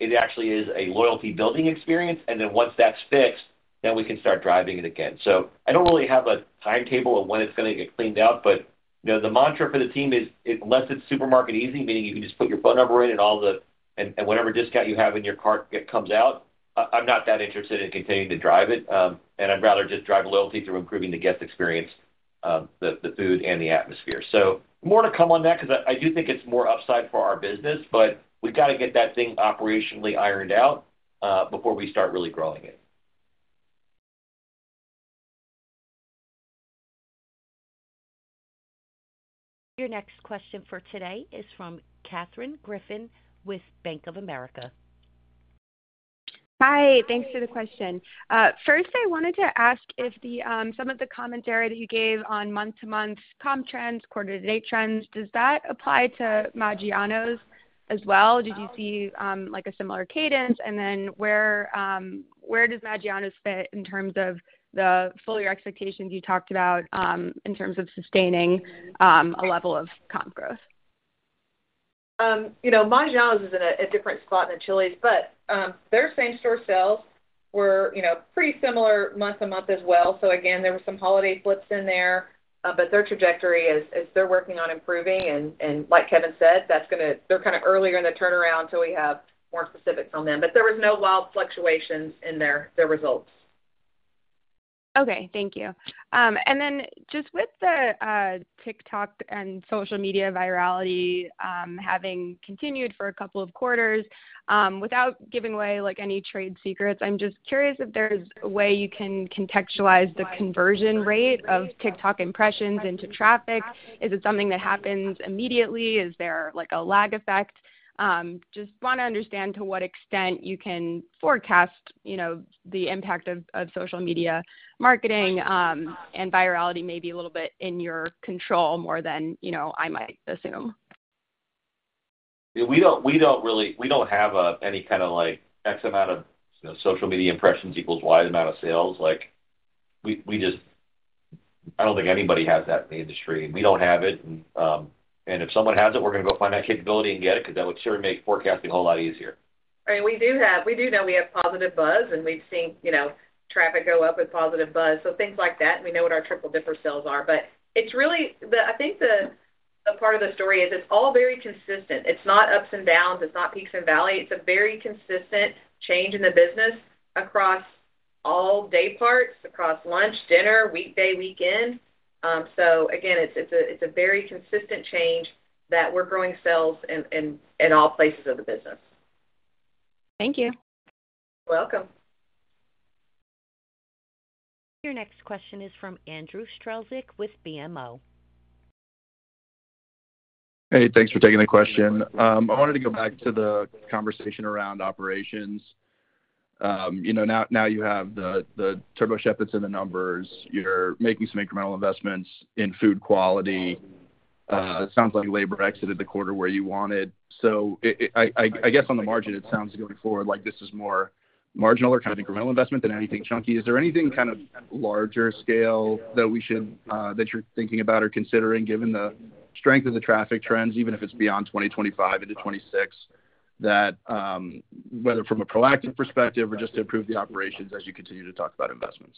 it actually is a loyalty-building experience. And then once that's fixed, then we can start driving it again. I don't really have a timetable of when it's going to get cleaned out, but the mantra for the team is unless it's supermarket easy, meaning you can just put your phone number in and whatever discount you have in your cart comes out, I'm not that interested in continuing to drive it. And I'd rather just drive loyalty through improving the guest experience, the food, and the atmosphere. More to come on that because I do think it's more upside for our business, but we've got to get that thing operationally ironed out before we start really growing it. Your next question for today is from Katherine Griffin with Bank of America. Hi. Thanks for the question. First, I wanted to ask if some of the commentary that you gave on month-to-month comp trends, quarter-to-date trends, does that apply to Maggiano's as well? Did you see a similar cadence? And then where does Maggiano's fit in terms of the full year expectations you talked about in terms of sustaining a level of comp growth? Maggiano's is in a different spot than Chili's, but their same-store sales were pretty similar month-to-month as well. So again, there were some holiday flips in there, but their trajectory is they're working on improving. And like Kevin said, they're kind of earlier in the turnaround, so we have more specifics on them. But there were no wild fluctuations in their results. Okay. Thank you. And then just with the TikTok and social media virality having continued for a couple of quarters, without giving away any trade secrets, I'm just curious if there's a way you can contextualize the conversion rate of TikTok impressions into traffic. Is it something that happens immediately? Is there a lag effect? Just want to understand to what extent you can forecast the impact of social media marketing and virality maybe a little bit in your control more than I might assume. We don't have any kind of X amount of social media impressions equals Y amount of sales. I don't think anybody has that in the industry. We don't have it. And if someone has it, we're going to go find that capability and get it because that would sure make forecasting a whole lot easier. I mean, we do know we have positive buzz, and we've seen traffic go up with positive buzz. So things like that, and we know what our Triple Dipper sales are. But I think the part of the story is it's all very consistent. It's not ups and downs. It's not peaks and valleys. It's a very consistent change in the business across all day parts, across lunch, dinner, weekday, weekend. So again, it's a very consistent change that we're growing sales in all places of the business. Thank you. You're welcome. Your next question is from Andrew Strelzik with BMO. Hey, thanks for taking the question. I wanted to go back to the conversation around operations. Now you have the TurboChef that's in the numbers. You're making some incremental investments in food quality. It sounds like labor exited the quarter where you wanted. So I guess on the margin, it sounds going forward like this is more marginal or kind of incremental investment than anything chunky. Is there anything kind of larger scale that you're thinking about or considering given the strength of the traffic trends, even if it's beyond 2025 into 2026, whether from a proactive perspective or just to improve the operations as you continue to talk about investments?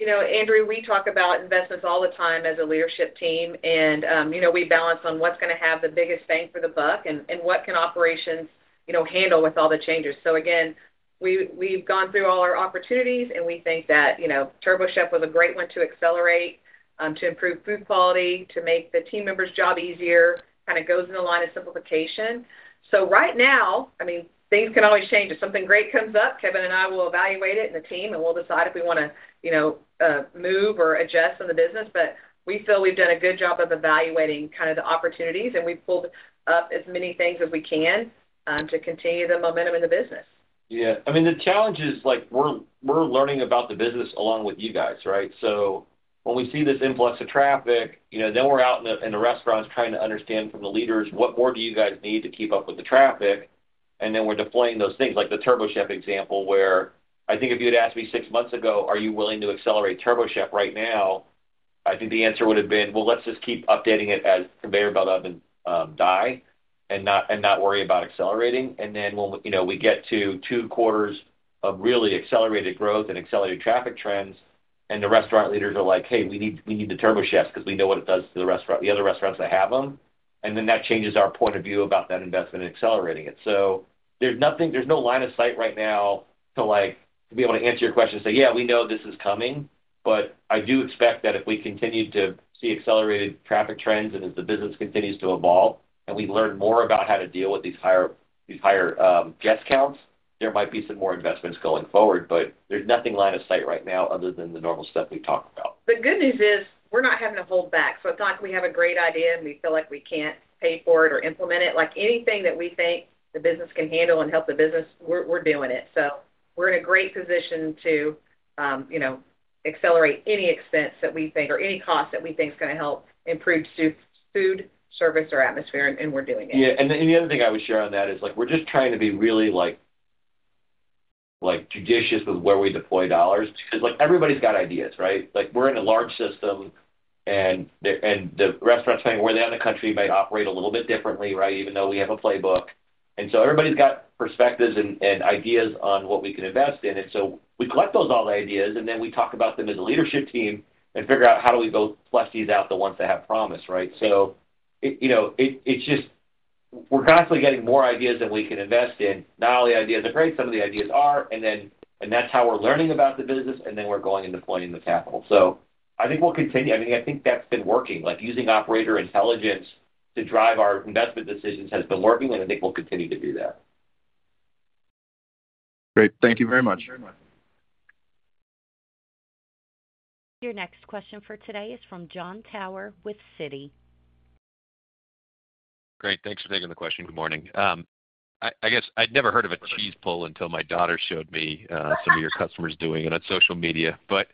Andrew, we talk about investments all the time as a leadership team, and we balance on what's going to have the biggest bang for the buck and what can operations handle with all the changes. So again, we've gone through all our opportunities, and we think that TurboChef was a great one to accelerate, to improve food quality, to make the team members' job easier, kind of goes in the line of simplification. So right now, I mean, things can always change. If something great comes up, Kevin and I will evaluate it and the team, and we'll decide if we want to move or adjust in the business. But we feel we've done a good job of evaluating kind of the opportunities, and we've pulled up as many things as we can to continue the momentum in the business. Yeah. I mean, the challenge is we're learning about the business along with you guys, right? So when we see this influx of traffic, then we're out in the restaurants trying to understand from the leaders what more do you guys need to keep up with the traffic. And then we're deploying those things, like the TurboChef example, where I think if you had asked me six months ago, "Are you willing to accelerate TurboChef right now?" I think the answer would have been, "Well, let's just keep updating it as the conveyor belts wear out and die and not worry about accelerating." And then when we get to two quarters of really accelerated growth and accelerated traffic trends, and the restaurant leaders are like, "Hey, we need the TurboChefs because we know what it does to the restaurant, the other restaurants that have them," and then that changes our point of view about that investment in accelerating it. So there's no line of sight right now to be able to answer your question and say, "Yeah, we know this is coming," but I do expect that if we continue to see accelerated traffic trends and as the business continues to evolve and we learn more about how to deal with these higher guest counts, there might be some more investments going forward, but there's nothing line of sight right now other than the normal stuff we talked about. The good news is we're not having to hold back. So it's not like we have a great idea and we feel like we can't pay for it or implement it. Anything that we think the business can handle and help the business, we're doing it. So we're in a great position to accelerate any expense that we think or any cost that we think is going to help improve food service or atmosphere, and we're doing it. Yeah. And the other thing I would share on that is we're just trying to be really judicious with where we deploy dollars because everybody's got ideas, right? We're in a large system, and the restaurants, where they are in the country, may operate a little bit differently, right, even though we have a playbook. And so everybody's got perspectives and ideas on what we can invest in. And so we collect those all ideas, and then we talk about them as a leadership team and figure out how do we both flesh these out, the ones that have promise, right? So it's just we're constantly getting more ideas than we can invest in. Not all the ideas are great. Some of the ideas are, and that's how we're learning about the business, and then we're going and deploying the capital. So I think we'll continue. I mean, I think that's been working. Using operator intelligence to drive our investment decisions has been working, and I think we'll continue to do that. Great. Thank you very much. Your next question for today is from John Tower with Citi. Great. Thanks for taking the question. Good morning. I guess I'd never heard of a cheese pull until my daughter showed me some of your customers doing it on social media. But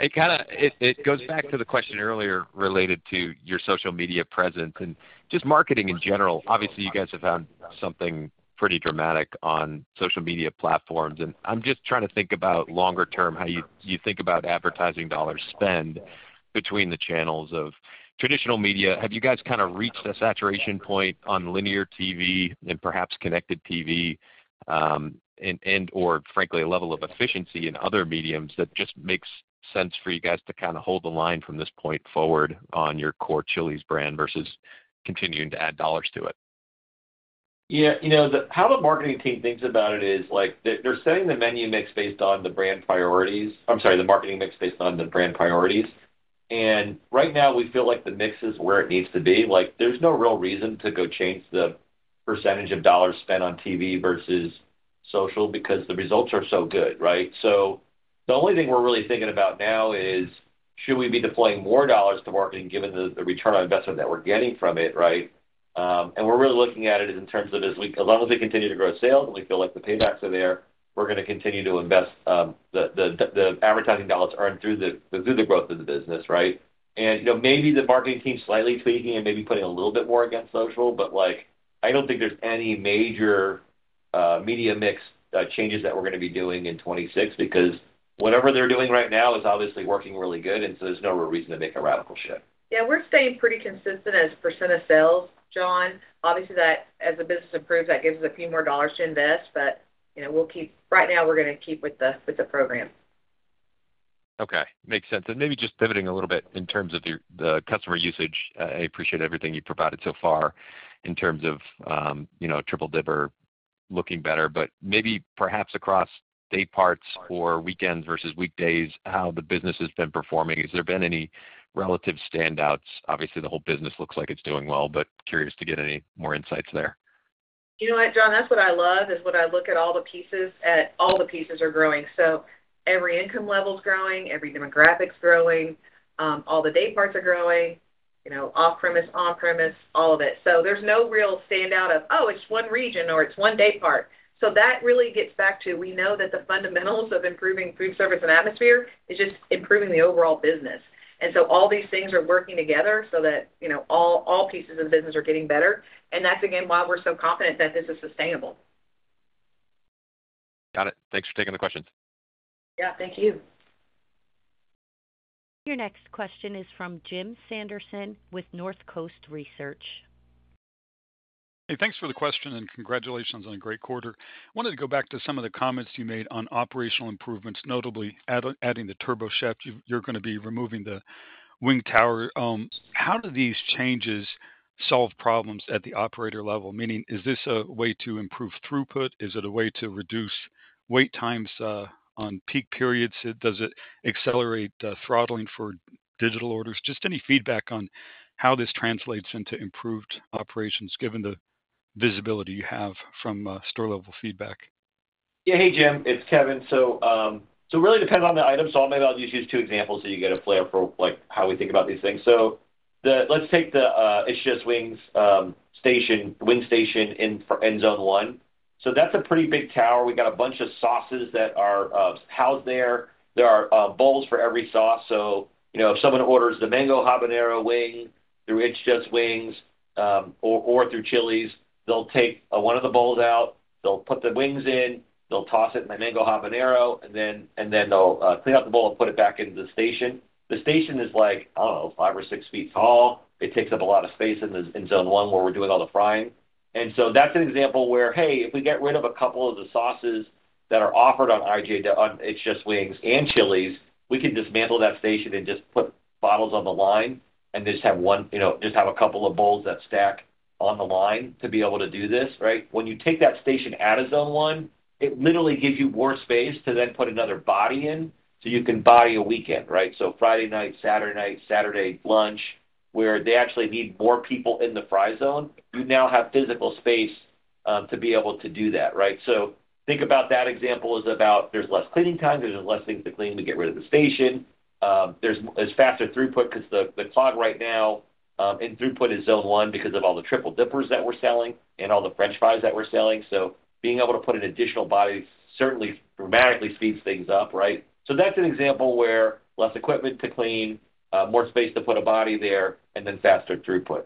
it goes back to the question earlier related to your social media presence and just marketing in general. Obviously, you guys have found something pretty dramatic on social media platforms, and I'm just trying to think about longer term how you think about advertising dollar spend between the channels of traditional media. Have you guys kind of reached a saturation point on linear TV and perhaps connected TV and/or, frankly, a level of efficiency in other mediums that just makes sense for you guys to kind of hold the line from this point forward on your core Chili's brand versus continuing to add dollars to it? Yeah. How the marketing team thinks about it is they're setting the menu mix based on the brand priorities. I'm sorry, the marketing mix based on the brand priorities. And right now, we feel like the mix is where it needs to be. There's no real reason to go change the percentage of dollars spent on TV versus social because the results are so good, right? So the only thing we're really thinking about now is should we be deploying more dollars to marketing given the return on investment that we're getting from it, right? And we're really looking at it in terms of as long as we continue to grow sales and we feel like the paybacks are there, we're going to continue to invest the advertising dollars earned through the growth of the business, right? And maybe the marketing team's slightly tweaking and maybe putting a little bit more against social, but I don't think there's any major media mix changes that we're going to be doing in 2026 because whatever they're doing right now is obviously working really good, and so there's no real reason to make a radical shift. Yeah. We're staying pretty consistent as percent of sales, John. Obviously, as the business improves, that gives us a few more dollars to invest, but right now, we're going to keep with the program. Okay. Makes sense. And maybe just pivoting a little bit in terms of the customer usage, I appreciate everything you've provided so far in terms of Triple Dipper looking better, but maybe perhaps across day parts or weekends versus weekdays, how the business has been performing. Has there been any relative standouts? Obviously, the whole business looks like it's doing well, but curious to get any more insights there. You know what, John? That's what I love is when I look at all the pieces, all the pieces are growing. So every income level's growing, every demographic's growing, all the day parts are growing, off-premise, on-premise, all of it. So there's no real standout of, "Oh, it's one region or it's one day part." So that really gets back to we know that the fundamentals of improving food service and atmosphere is just improving the overall business. And so all these things are working together so that all pieces of the business are getting better. And that's, again, why we're so confident that this is sustainable. Got it. Thanks for taking the questions. Yeah. Thank you. Your next question is from Jim Sanderson with North Coast Research. Hey, thanks for the question and congratulations on a great quarter. I wanted to go back to some of the comments you made on operational improvements, notably adding the TurboChef. You're going to be removing the wing tower. How do these changes solve problems at the operator level? Meaning, is this a way to improve throughput? Is it a way to reduce wait times on peak periods? Does it accelerate throttling for digital orders? Just any feedback on how this translates into improved operations given the visibility you have from store-level feedback. Yeah. Hey, Jim. It's Kevin. So it really depends on the item. So maybe I'll just use two examples so you get a flavor for how we think about these things. So let's take the It's Just Wings wing station in Zone 1. So that's a pretty big tower. We got a bunch of sauces that are housed there. There are bowls for every sauce. So if someone orders the mango habanero wing through It's Just Wings or through Chili's, they'll take one of the bowls out, they'll put the wings in, they'll toss it in the mango habanero, and then they'll clean out the bowl and put it back into the station. The station is like, I don't know, five or six feet tall. It takes up a lot of space in Zone 1 where we're doing all the frying. And so that's an example where, hey, if we get rid of a couple of the sauces that are offered on It's Just Wings and Chili's, we can dismantle that station and just put bottles on the line and just have a couple of bowls that stack on the line to be able to do this, right? When you take that station out of Zone 1, it literally gives you more space to then put another body in so you can body a weekend, right? So Friday night, Saturday night, Saturday lunch, where they actually need more people in the fry zone, you now have physical space to be able to do that, right? So think about that example as about there's less cleaning time. There's less things to clean. We get rid of the station. There's faster throughput because the clog right now in throughput is Zone 1 because of all the Triple Dippers that we're selling and all the French fries that we're selling. So being able to put an additional body certainly dramatically speeds things up, right? So that's an example where less equipment to clean, more space to put a body there, and then faster throughput.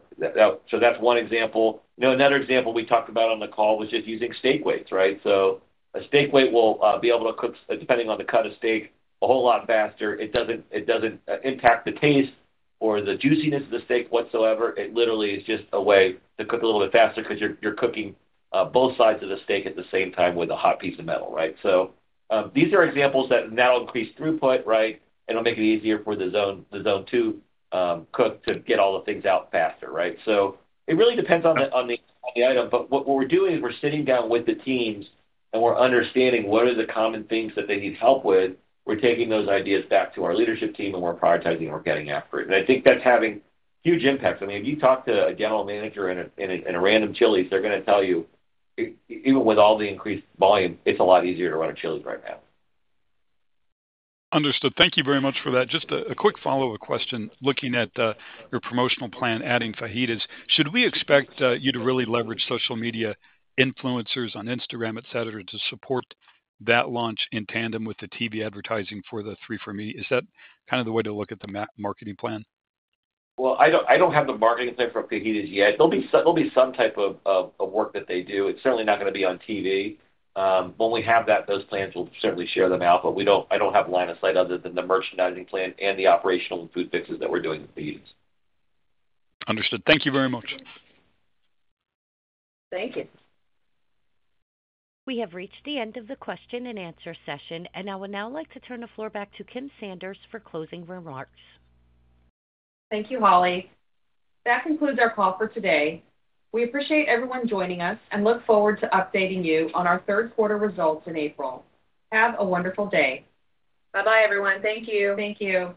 So that's one example. Another example we talked about on the call was just using steak weights, right? So a steak weight will be able to cook, depending on the cut of steak, a whole lot faster. It doesn't impact the taste or the juiciness of the steak whatsoever. It literally is just a way to cook a little bit faster because you're cooking both sides of the steak at the same time with a hot piece of metal, right? So these are examples that now increase throughput, right? And it'll make it easier for the Zone 2 cook to get all the things out faster, right? So it really depends on the item, but what we're doing is we're sitting down with the teams and we're understanding what are the common things that they need help with. We're taking those ideas back to our leadership team and we're prioritizing what we're getting after. And I think that's having huge impact. I mean, if you talk to a general manager in a random Chili's, they're going to tell you, even with all the increased volume, it's a lot easier to run a Chili's right now. Understood. Thank you very much for that. Just a quick follow-up question. Looking at your promotional plan, adding fajitas, should we expect you to really leverage social media influencers on Instagram, etc., to support that launch in tandem with the TV advertising for the 3 For Me? Is that kind of the way to look at the marketing plan? Well, I don't have the marketing plan for fajitas yet. There'll be some type of work that they do. It's certainly not going to be on TV. When we have that, those plans will certainly share them out, but I don't have line of sight other than the merchandising plan and the operational and food fixes that we're doing with fajitas. Understood. Thank you very much. Thank you. We have reached the end of the question and answer session, and I would now like to turn the floor back to Kim Sanders for closing remarks. Thank you, Holly. That concludes our call for today. We appreciate everyone joining us and look forward to updating you on our third quarter results in April. Have a wonderful day. Bye-bye, everyone. Thank you. Thank you.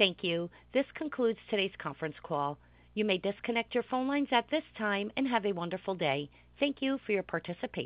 Thank you. This concludes today's conference call. You may disconnect your phone lines at this time and have a wonderful day. Thank you for your participation.